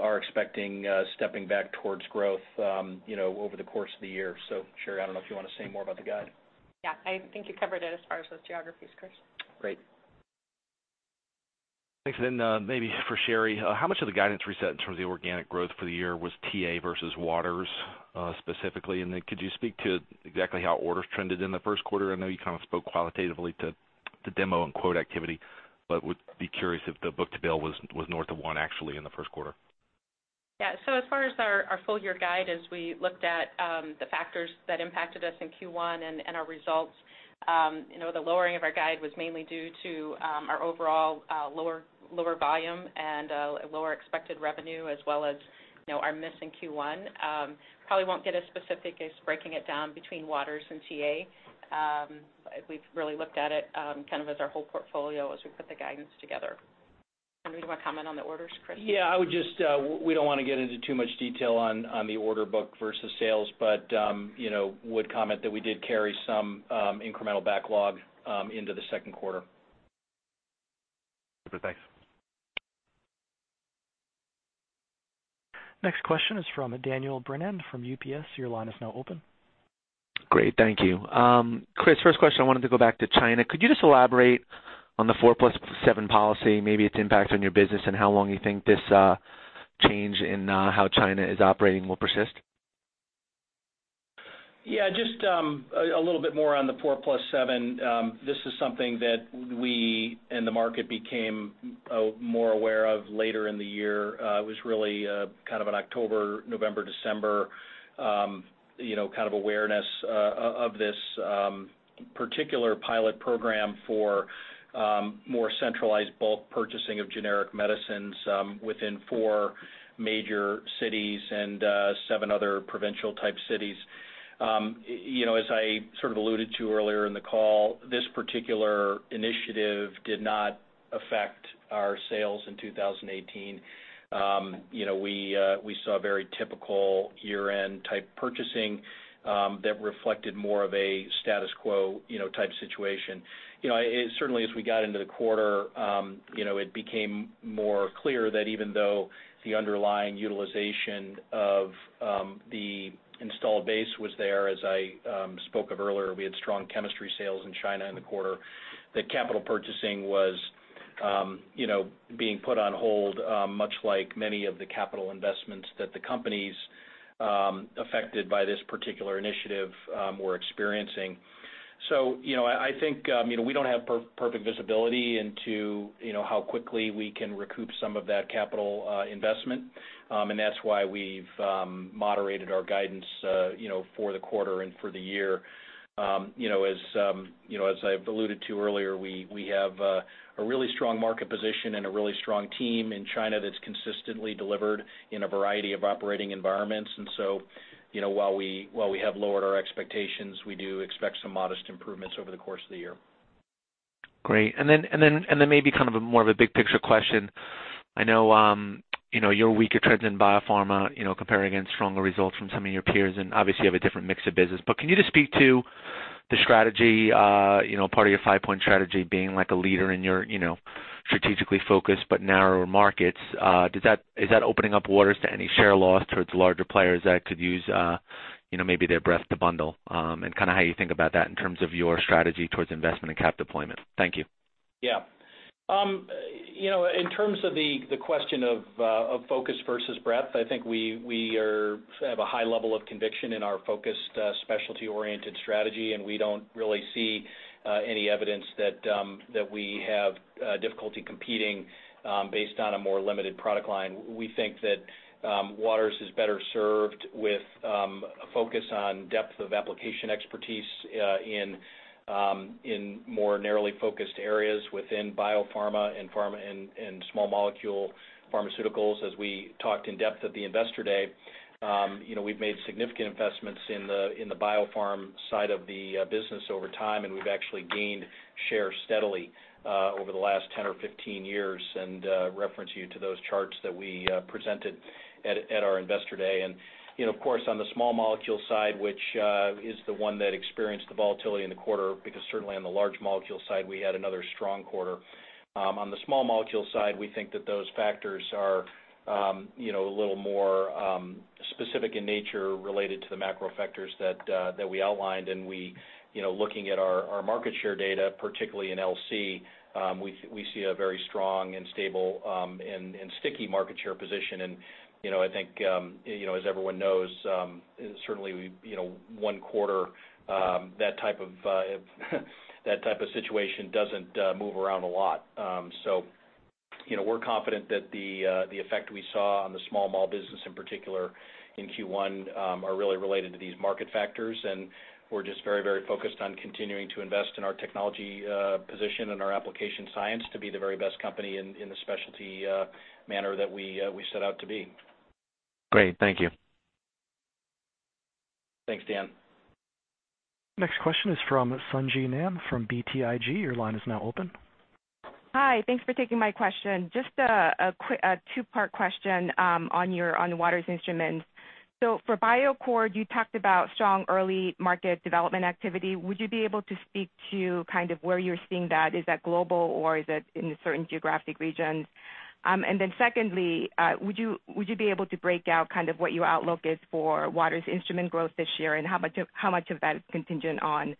are expecting stepping back towards growth over the course of the year. So Sherry, I don't know if you want to say more about the guide. Yeah. I think you covered it as far as those geographies, Chris. Great. Thanks. And then maybe for Sherry, how much of the guidance reset in terms of the organic growth for the year was TA versus Waters specifically? And then could you speak to exactly how orders trended in the first quarter? I know you kind of spoke qualitatively to demo and quote activity, but would be curious if the book-to-bill was north of one actually in the first quarter. Yeah. So as far as our full-year guide, as we looked at the factors that impacted us in Q1 and our results, the lowering of our guide was mainly due to our overall lower volume and lower expected revenue as well as our miss in Q1. Probably won't get as specific as breaking it down between Waters and TA. We've really looked at it kind of as our whole portfolio as we put the guidance together. Do you want to comment on the orders, Chris? Yeah. We don't want to get into too much detail on the order book versus sales, but would comment that we did carry some incremental backlog into the second quarter. Super. Thanks. Next question is from Daniel Brennan from UBS. Your line is now open. Great. Thank you. Chris, first question, I wanted to go back to China. Could you just elaborate on the 4+7 policy, maybe its impact on your business, and how long you think this change in how China is operating will persist? Yeah. Just a little bit more on the 4+7. This is something that we and the market became more aware of later in the year. It was really kind of an October, November, December kind of awareness of this particular pilot program for more centralized bulk purchasing of generic medicines within four major cities and seven other provincial-type cities. As I sort of alluded to earlier in the call, this particular initiative did not affect our sales in 2018. We saw very typical year-end-type purchasing that reflected more of a status quo-type situation. Certainly, as we got into the quarter, it became more clear that even though the underlying utilization of the installed base was there, as I spoke of earlier, we had strong chemistry sales in China in the quarter, that capital purchasing was being put on hold, much like many of the capital investments that the companies affected by this particular initiative were experiencing. So I think we don't have perfect visibility into how quickly we can recoup some of that capital investment. And that's why we've moderated our guidance for the quarter and for the year. As I've alluded to earlier, we have a really strong market position and a really strong team in China that's consistently delivered in a variety of operating environments. And so while we have lowered our expectations, we do expect some modest improvements over the course of the year. Great. And then maybe kind of a more of a big-picture question. I know you're weaker trending in biopharma comparing against stronger results from some of your peers. And obviously, you have a different mix of business. But can you just speak to the strategy, part of your five-point strategy being a leader in your strategically focused but narrower markets? Is that opening up Waters to any share loss towards larger players that could use maybe their breadth to bundle? And kind of how you think about that in terms of your strategy towards investment and capital deployment. Thank you. Yeah. In terms of the question of focus versus breadth, I think we have a high level of conviction in our focused specialty-oriented strategy, and we don't really see any evidence that we have difficulty competing based on a more limited product line. We think that Waters is better served with a focus on depth of application expertise in more narrowly focused areas within biopharma and small molecule pharmaceuticals. As we talked in depth at the investor day, we've made significant investments in the biopharma side of the business over time, and we've actually gained share steadily over the last 10 or 15 years and reference you to those charts that we presented at our investor day. Of course, on the small molecule side, which is the one that experienced the volatility in the quarter, because certainly on the large molecule side, we had another strong quarter. On the small molecule side, we think that those factors are a little more specific in nature related to the macro factors that we outlined. Looking at our market share data, particularly in LC, we see a very strong and stable and sticky market share position. I think, as everyone knows, certainly one quarter, that type of situation doesn't move around a lot. We're confident that the effect we saw on the small molecule business in particular in Q1 are really related to these market factors. And we're just very, very focused on continuing to invest in our technology position and our application science to be the very best company in the specialty manner that we set out to be. Great. Thank you. Thanks, Dan. Next question is from Sung Ji Nam from BTIG. Your line is now open. Hi. Thanks for taking my question. Just a two-part question on Waters Instruments. So for BioAccord, you talked about strong early market development activity. Would you be able to speak to kind of where you're seeing that? Is that global, or is it in certain geographic regions? And then secondly, would you be able to break out kind of what your outlook is for Waters Instrument growth this year and how much of that is contingent on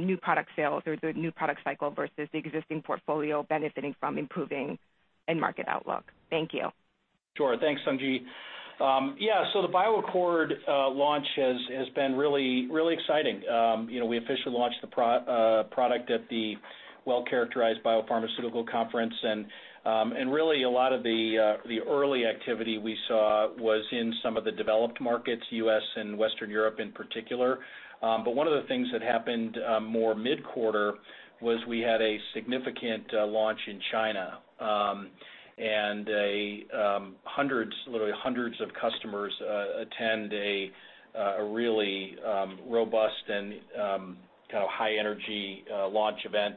new product sales or the new product cycle versus the existing portfolio benefiting from improving end market outlook? Thank you. Sure. Thanks, Sung Ji. Yeah, so the BioAccord launch has been really exciting. We officially launched the product at the Well-Characterized Biopharmaceutical conference, and really, a lot of the early activity we saw was in some of the developed markets, U.S. and Western Europe in particular. But one of the things that happened more mid-quarter was we had a significant launch in China, and literally hundreds of customers attend a really robust and kind of high-energy launch event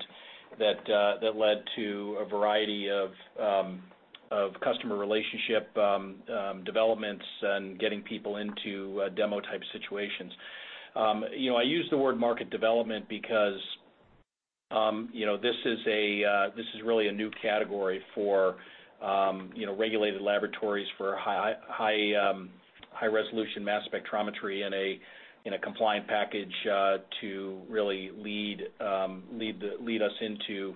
that led to a variety of customer relationship developments and getting people into demo-type situations. I use the word market development because this is really a new category for regulated laboratories for high-resolution mass spectrometry in a compliant package to really lead us into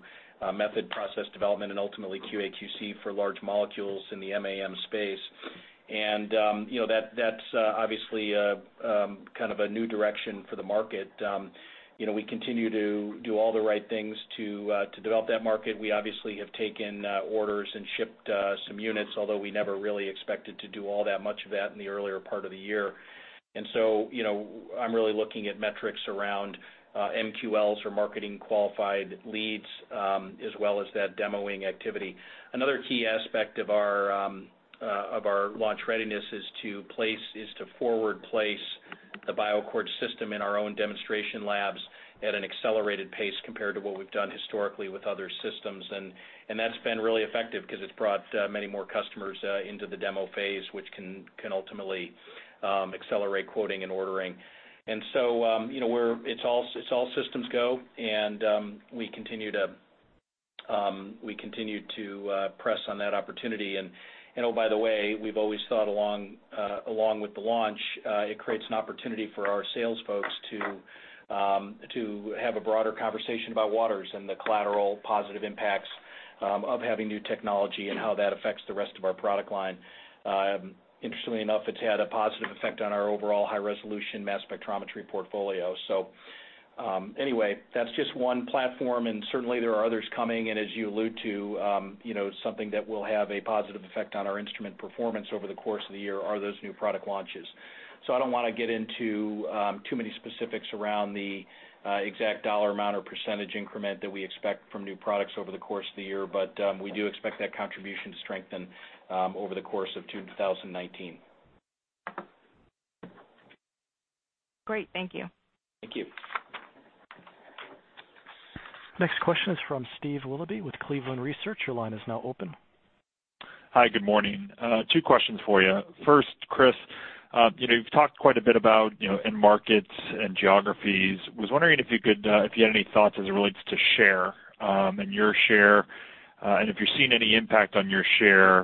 method process development and ultimately QA/QC for large molecules in the MAM space, and that's obviously kind of a new direction for the market. We continue to do all the right things to develop that market. We obviously have taken orders and shipped some units, although we never really expected to do all that much of that in the earlier part of the year. And so I'm really looking at metrics around MQLs or marketing qualified leads as well as that demoing activity. Another key aspect of our launch readiness is to forward place the BioAccord system in our own demonstration labs at an accelerated pace compared to what we've done historically with other systems. And that's been really effective because it's brought many more customers into the demo phase, which can ultimately accelerate quoting and ordering. And so it's all systems go. And we continue to press on that opportunity. Oh, by the way, we've always thought along with the launch, it creates an opportunity for our sales folks to have a broader conversation about Waters and the collateral positive impacts of having new technology and how that affects the rest of our product line. Interestingly enough, it's had a positive effect on our overall high-resolution mass spectrometry portfolio. So anyway, that's just one platform. And certainly, there are others coming. And as you allude to, something that will have a positive effect on our instrument performance over the course of the year are those new product launches. So I don't want to get into too many specifics around the exact dollar amount or percentage increment that we expect from new products over the course of the year. But we do expect that contribution to strengthen over the course of 2019. Great. Thank you. Thank you. Next question is from Steve Willoughby with Cleveland Research. Your line is now open. Hi. Good morning. Two questions for you. First, Chris, you've talked quite a bit about end markets and geographies. I was wondering if you had any thoughts as it relates to share and your share and if you're seeing any impact on your share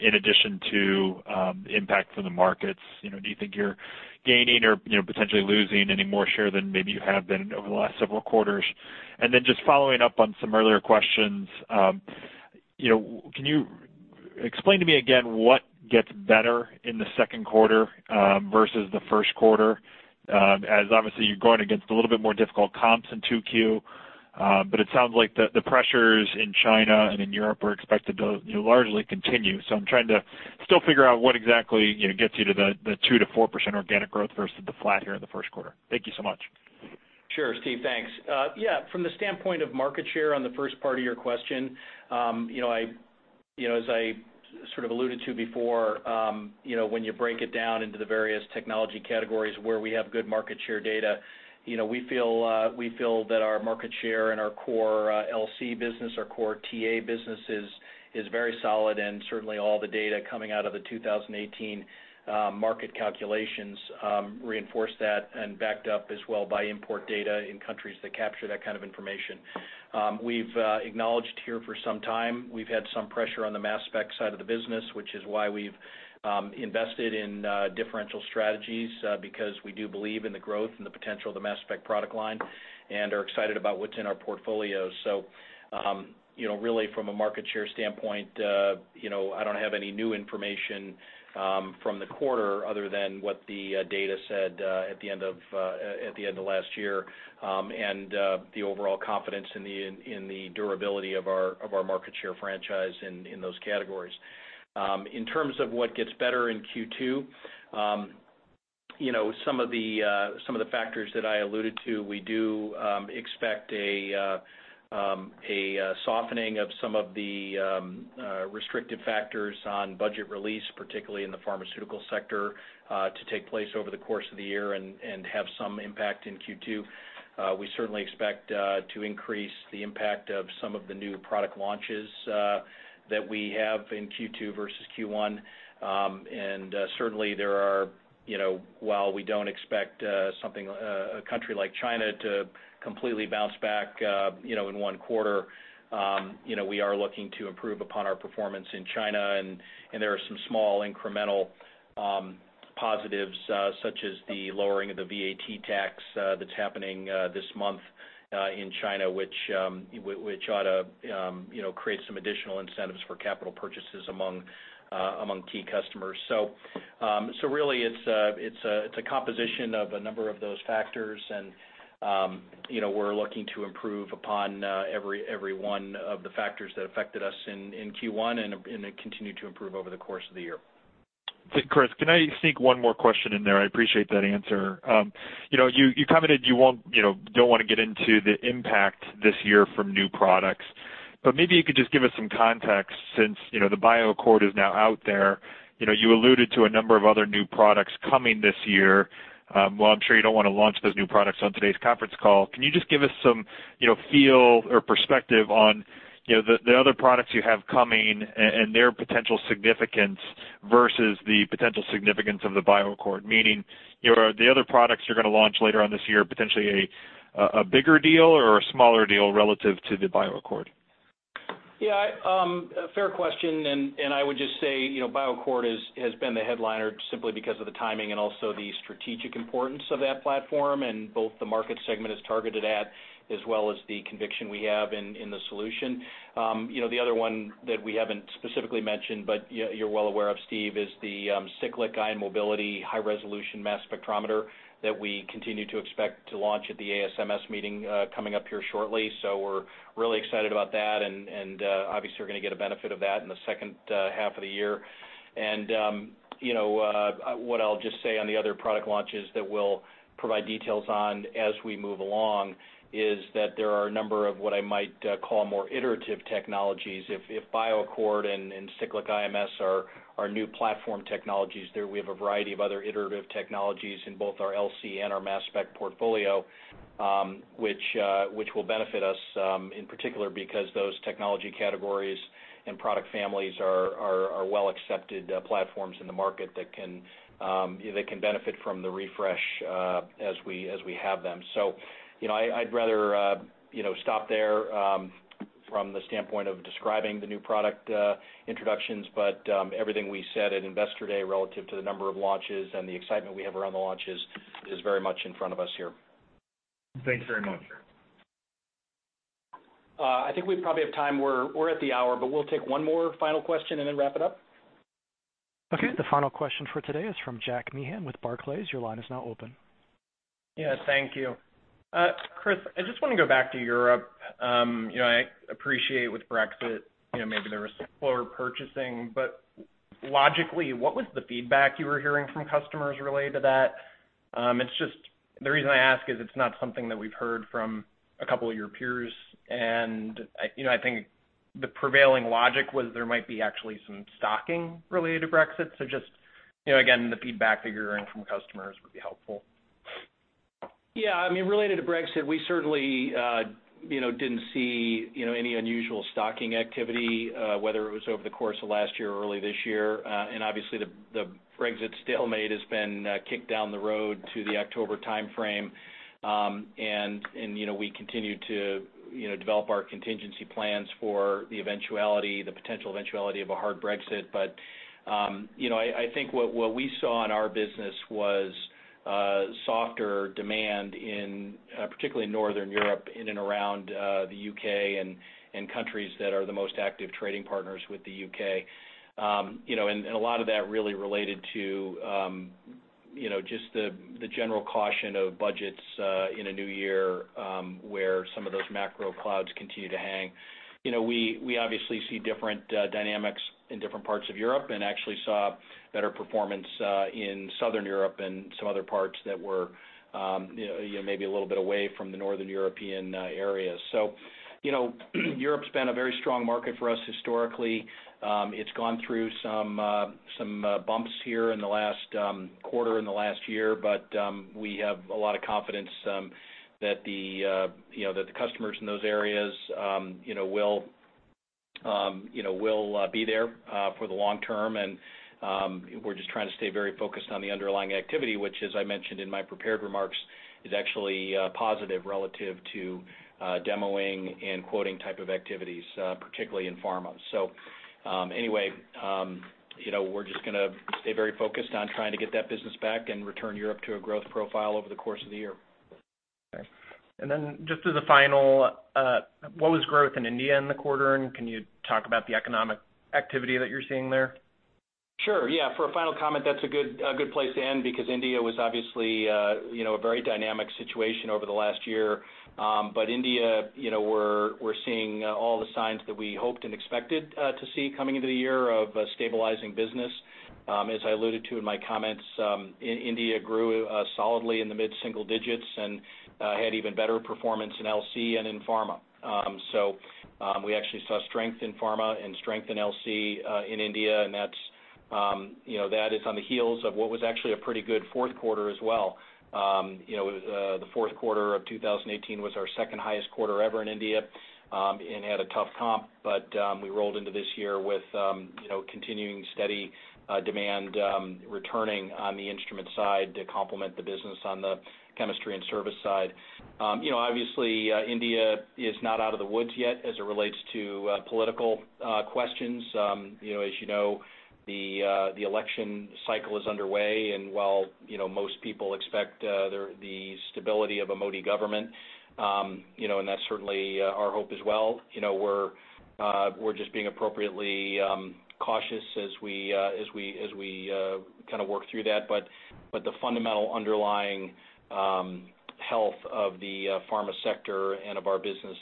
in addition to impact from the markets. Do you think you're gaining or potentially losing any more share than maybe you have been over the last several quarters? And then just following up on some earlier questions, can you explain to me again what gets better in the second quarter versus the first quarter? As obviously, you're going against a little bit more difficult comps in 2Q. But it sounds like the pressures in China and in Europe are expected to largely continue. So I'm trying to still figure out what exactly gets you to the 2%-4% organic growth versus the flat here in the first quarter. Thank you so much. Sure. Steve, thanks. Yeah. From the standpoint of market share on the first part of your question, as I sort of alluded to before, when you break it down into the various technology categories where we have good market share data, we feel that our market share in our core LC business, our core TA business is very solid, and certainly, all the data coming out of the 2018 market calculations reinforce that and backed up as well by import data in countries that capture that kind of information. We've acknowledged here for some time, we've had some pressure on the mass spec side of the business, which is why we've invested in differential strategies because we do believe in the growth and the potential of the mass spec product line and are excited about what's in our portfolio. So really, from a market share standpoint, I don't have any new information from the quarter other than what the data said at the end of last year and the overall confidence in the durability of our market share franchise in those categories. In terms of what gets better in Q2, some of the factors that I alluded to, we do expect a softening of some of the restrictive factors on budget release, particularly in the pharmaceutical sector, to take place over the course of the year and have some impact in Q2. We certainly expect to increase the impact of some of the new product launches that we have in Q2 versus Q1. And certainly, while we don't expect a country like China to completely bounce back in one quarter, we are looking to improve upon our performance in China. And there are some small incremental positives such as the lowering of the VAT tax that's happening this month in China, which ought to create some additional incentives for capital purchases among key customers. So really, it's a composition of a number of those factors. And we're looking to improve upon every one of the factors that affected us in Q1 and continue to improve over the course of the year. Chris, can I sneak one more question in there? I appreciate that answer. You commented you don't want to get into the impact this year from new products. But maybe you could just give us some context since the BioAccord is now out there. You alluded to a number of other new products coming this year. Well, I'm sure you don't want to launch those new products on today's conference call. Can you just give us some feel or perspective on the other products you have coming and their potential significance versus the potential significance of the BioAccord? Meaning, are the other products you're going to launch later on this year potentially a bigger deal or a smaller deal relative to the BioAccord? Yeah. Fair question. And I would just say BioAccord has been the headliner simply because of the timing and also the strategic importance of that platform and both the market segment it's targeted at as well as the conviction we have in the solution. The other one that we haven't specifically mentioned, but you're well aware of, Steve, is the Cyclic Ion Mobility High-Resolution Mass Spectrometer that we continue to expect to launch at the ASMS meeting coming up here shortly, so we're really excited about that, and obviously, we're going to get a benefit of that in the second half of the year, and what I'll just say on the other product launches that we'll provide details on as we move along is that there are a number of what I might call more iterative technologies. If BioAccord and Cyclic IMS are new platform technologies, we have a variety of other iterative technologies in both our LC and our mass spec portfolio, which will benefit us in particular because those technology categories and product families are well-accepted platforms in the market that can benefit from the refresh as we have them. So I'd rather stop there from the standpoint of describing the new product introductions. But everything we said at investor day relative to the number of launches and the excitement we have around the launches is very much in front of us here. Thanks very much. I think we probably have time. We're at the hour, but we'll take one more final question and then wrap it up. Okay. The final question for today is from Jack Meehan with Barclays. Your line is now open. Yeah. Thank you. Chris, I just want to go back to Europe. I appreciate with Brexit, maybe there was slower purchasing. But logically, what was the feedback you were hearing from customers related to that? The reason I ask is it's not something that we've heard from a couple of your peers. I think the prevailing logic was there might be actually some stocking related to Brexit. So just again, the feedback that you're hearing from customers would be helpful. Yeah. I mean, related to Brexit, we certainly didn't see any unusual stocking activity, whether it was over the course of last year or early this year. And obviously, the Brexit stalemate has been kicked down the road to the October timeframe. And we continue to develop our contingency plans for the eventuality, the potential eventuality of a hard Brexit. But I think what we saw in our business was softer demand, particularly in Northern Europe and in and around the U.K. and countries that are the most active trading partners with the U.K. And a lot of that really related to just the general caution of budgets in a new year where some of those macro clouds continue to hang. We obviously see different dynamics in different parts of Europe and actually saw better performance in Southern Europe and some other parts that were maybe a little bit away from the Northern European areas, so Europe's been a very strong market for us historically, it's gone through some bumps here in the last quarter in the last year, but we have a lot of confidence that the customers in those areas will be there for the long term, and we're just trying to stay very focused on the underlying activity, which, as I mentioned in my prepared remarks, is actually positive relative to demoing and quoting type of activities, particularly in pharma, so anyway, we're just going to stay very focused on trying to get that business back and return Europe to a growth profile over the course of the year, okay. And then just as a final, what was growth in India in the quarter? And can you talk about the economic activity that you're seeing there? Sure. Yeah. For a final comment, that's a good place to end because India was obviously a very dynamic situation over the last year. But India, we're seeing all the signs that we hoped and expected to see coming into the year of stabilizing business. As I alluded to in my comments, India grew solidly in the mid-single digits and had even better performance in LC and in pharma. So we actually saw strength in pharma and strength in LC in India. And that is on the heels of what was actually a pretty good fourth quarter as well. The fourth quarter of 2018 was our second highest quarter ever in India and had a tough comp. But we rolled into this year with continuing steady demand returning on the instrument side to complement the business on the chemistry and service side. Obviously, India is not out of the woods yet as it relates to political questions. As you know, the election cycle is underway. And while most people expect the stability of a Modi government, and that's certainly our hope as well, we're just being appropriately cautious as we kind of work through that. But the fundamental underlying health of the pharma sector and of our business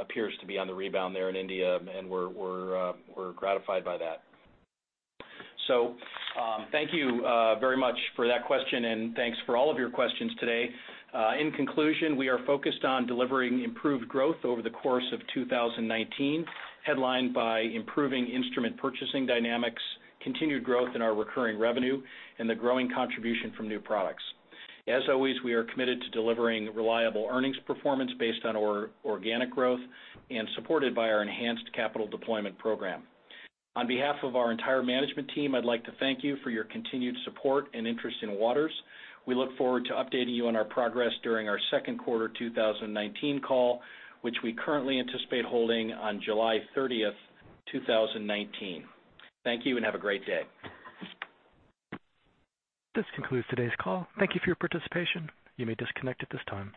appears to be on the rebound there in India. And we're gratified by that. So thank you very much for that question. And thanks for all of your questions today. In conclusion, we are focused on delivering improved growth over the course of 2019, headlined by improving instrument purchasing dynamics, continued growth in our recurring revenue, and the growing contribution from new products. As always, we are committed to delivering reliable earnings performance based on our organic growth and supported by our enhanced capital deployment program. On behalf of our entire management team, I'd like to thank you for your continued support and interest in Waters. We look forward to updating you on our progress during our second quarter 2019 call, which we currently anticipate holding on July 30th, 2019. Thank you and have a great day. This concludes today's call. Thank you for your participation. You may disconnect at this time.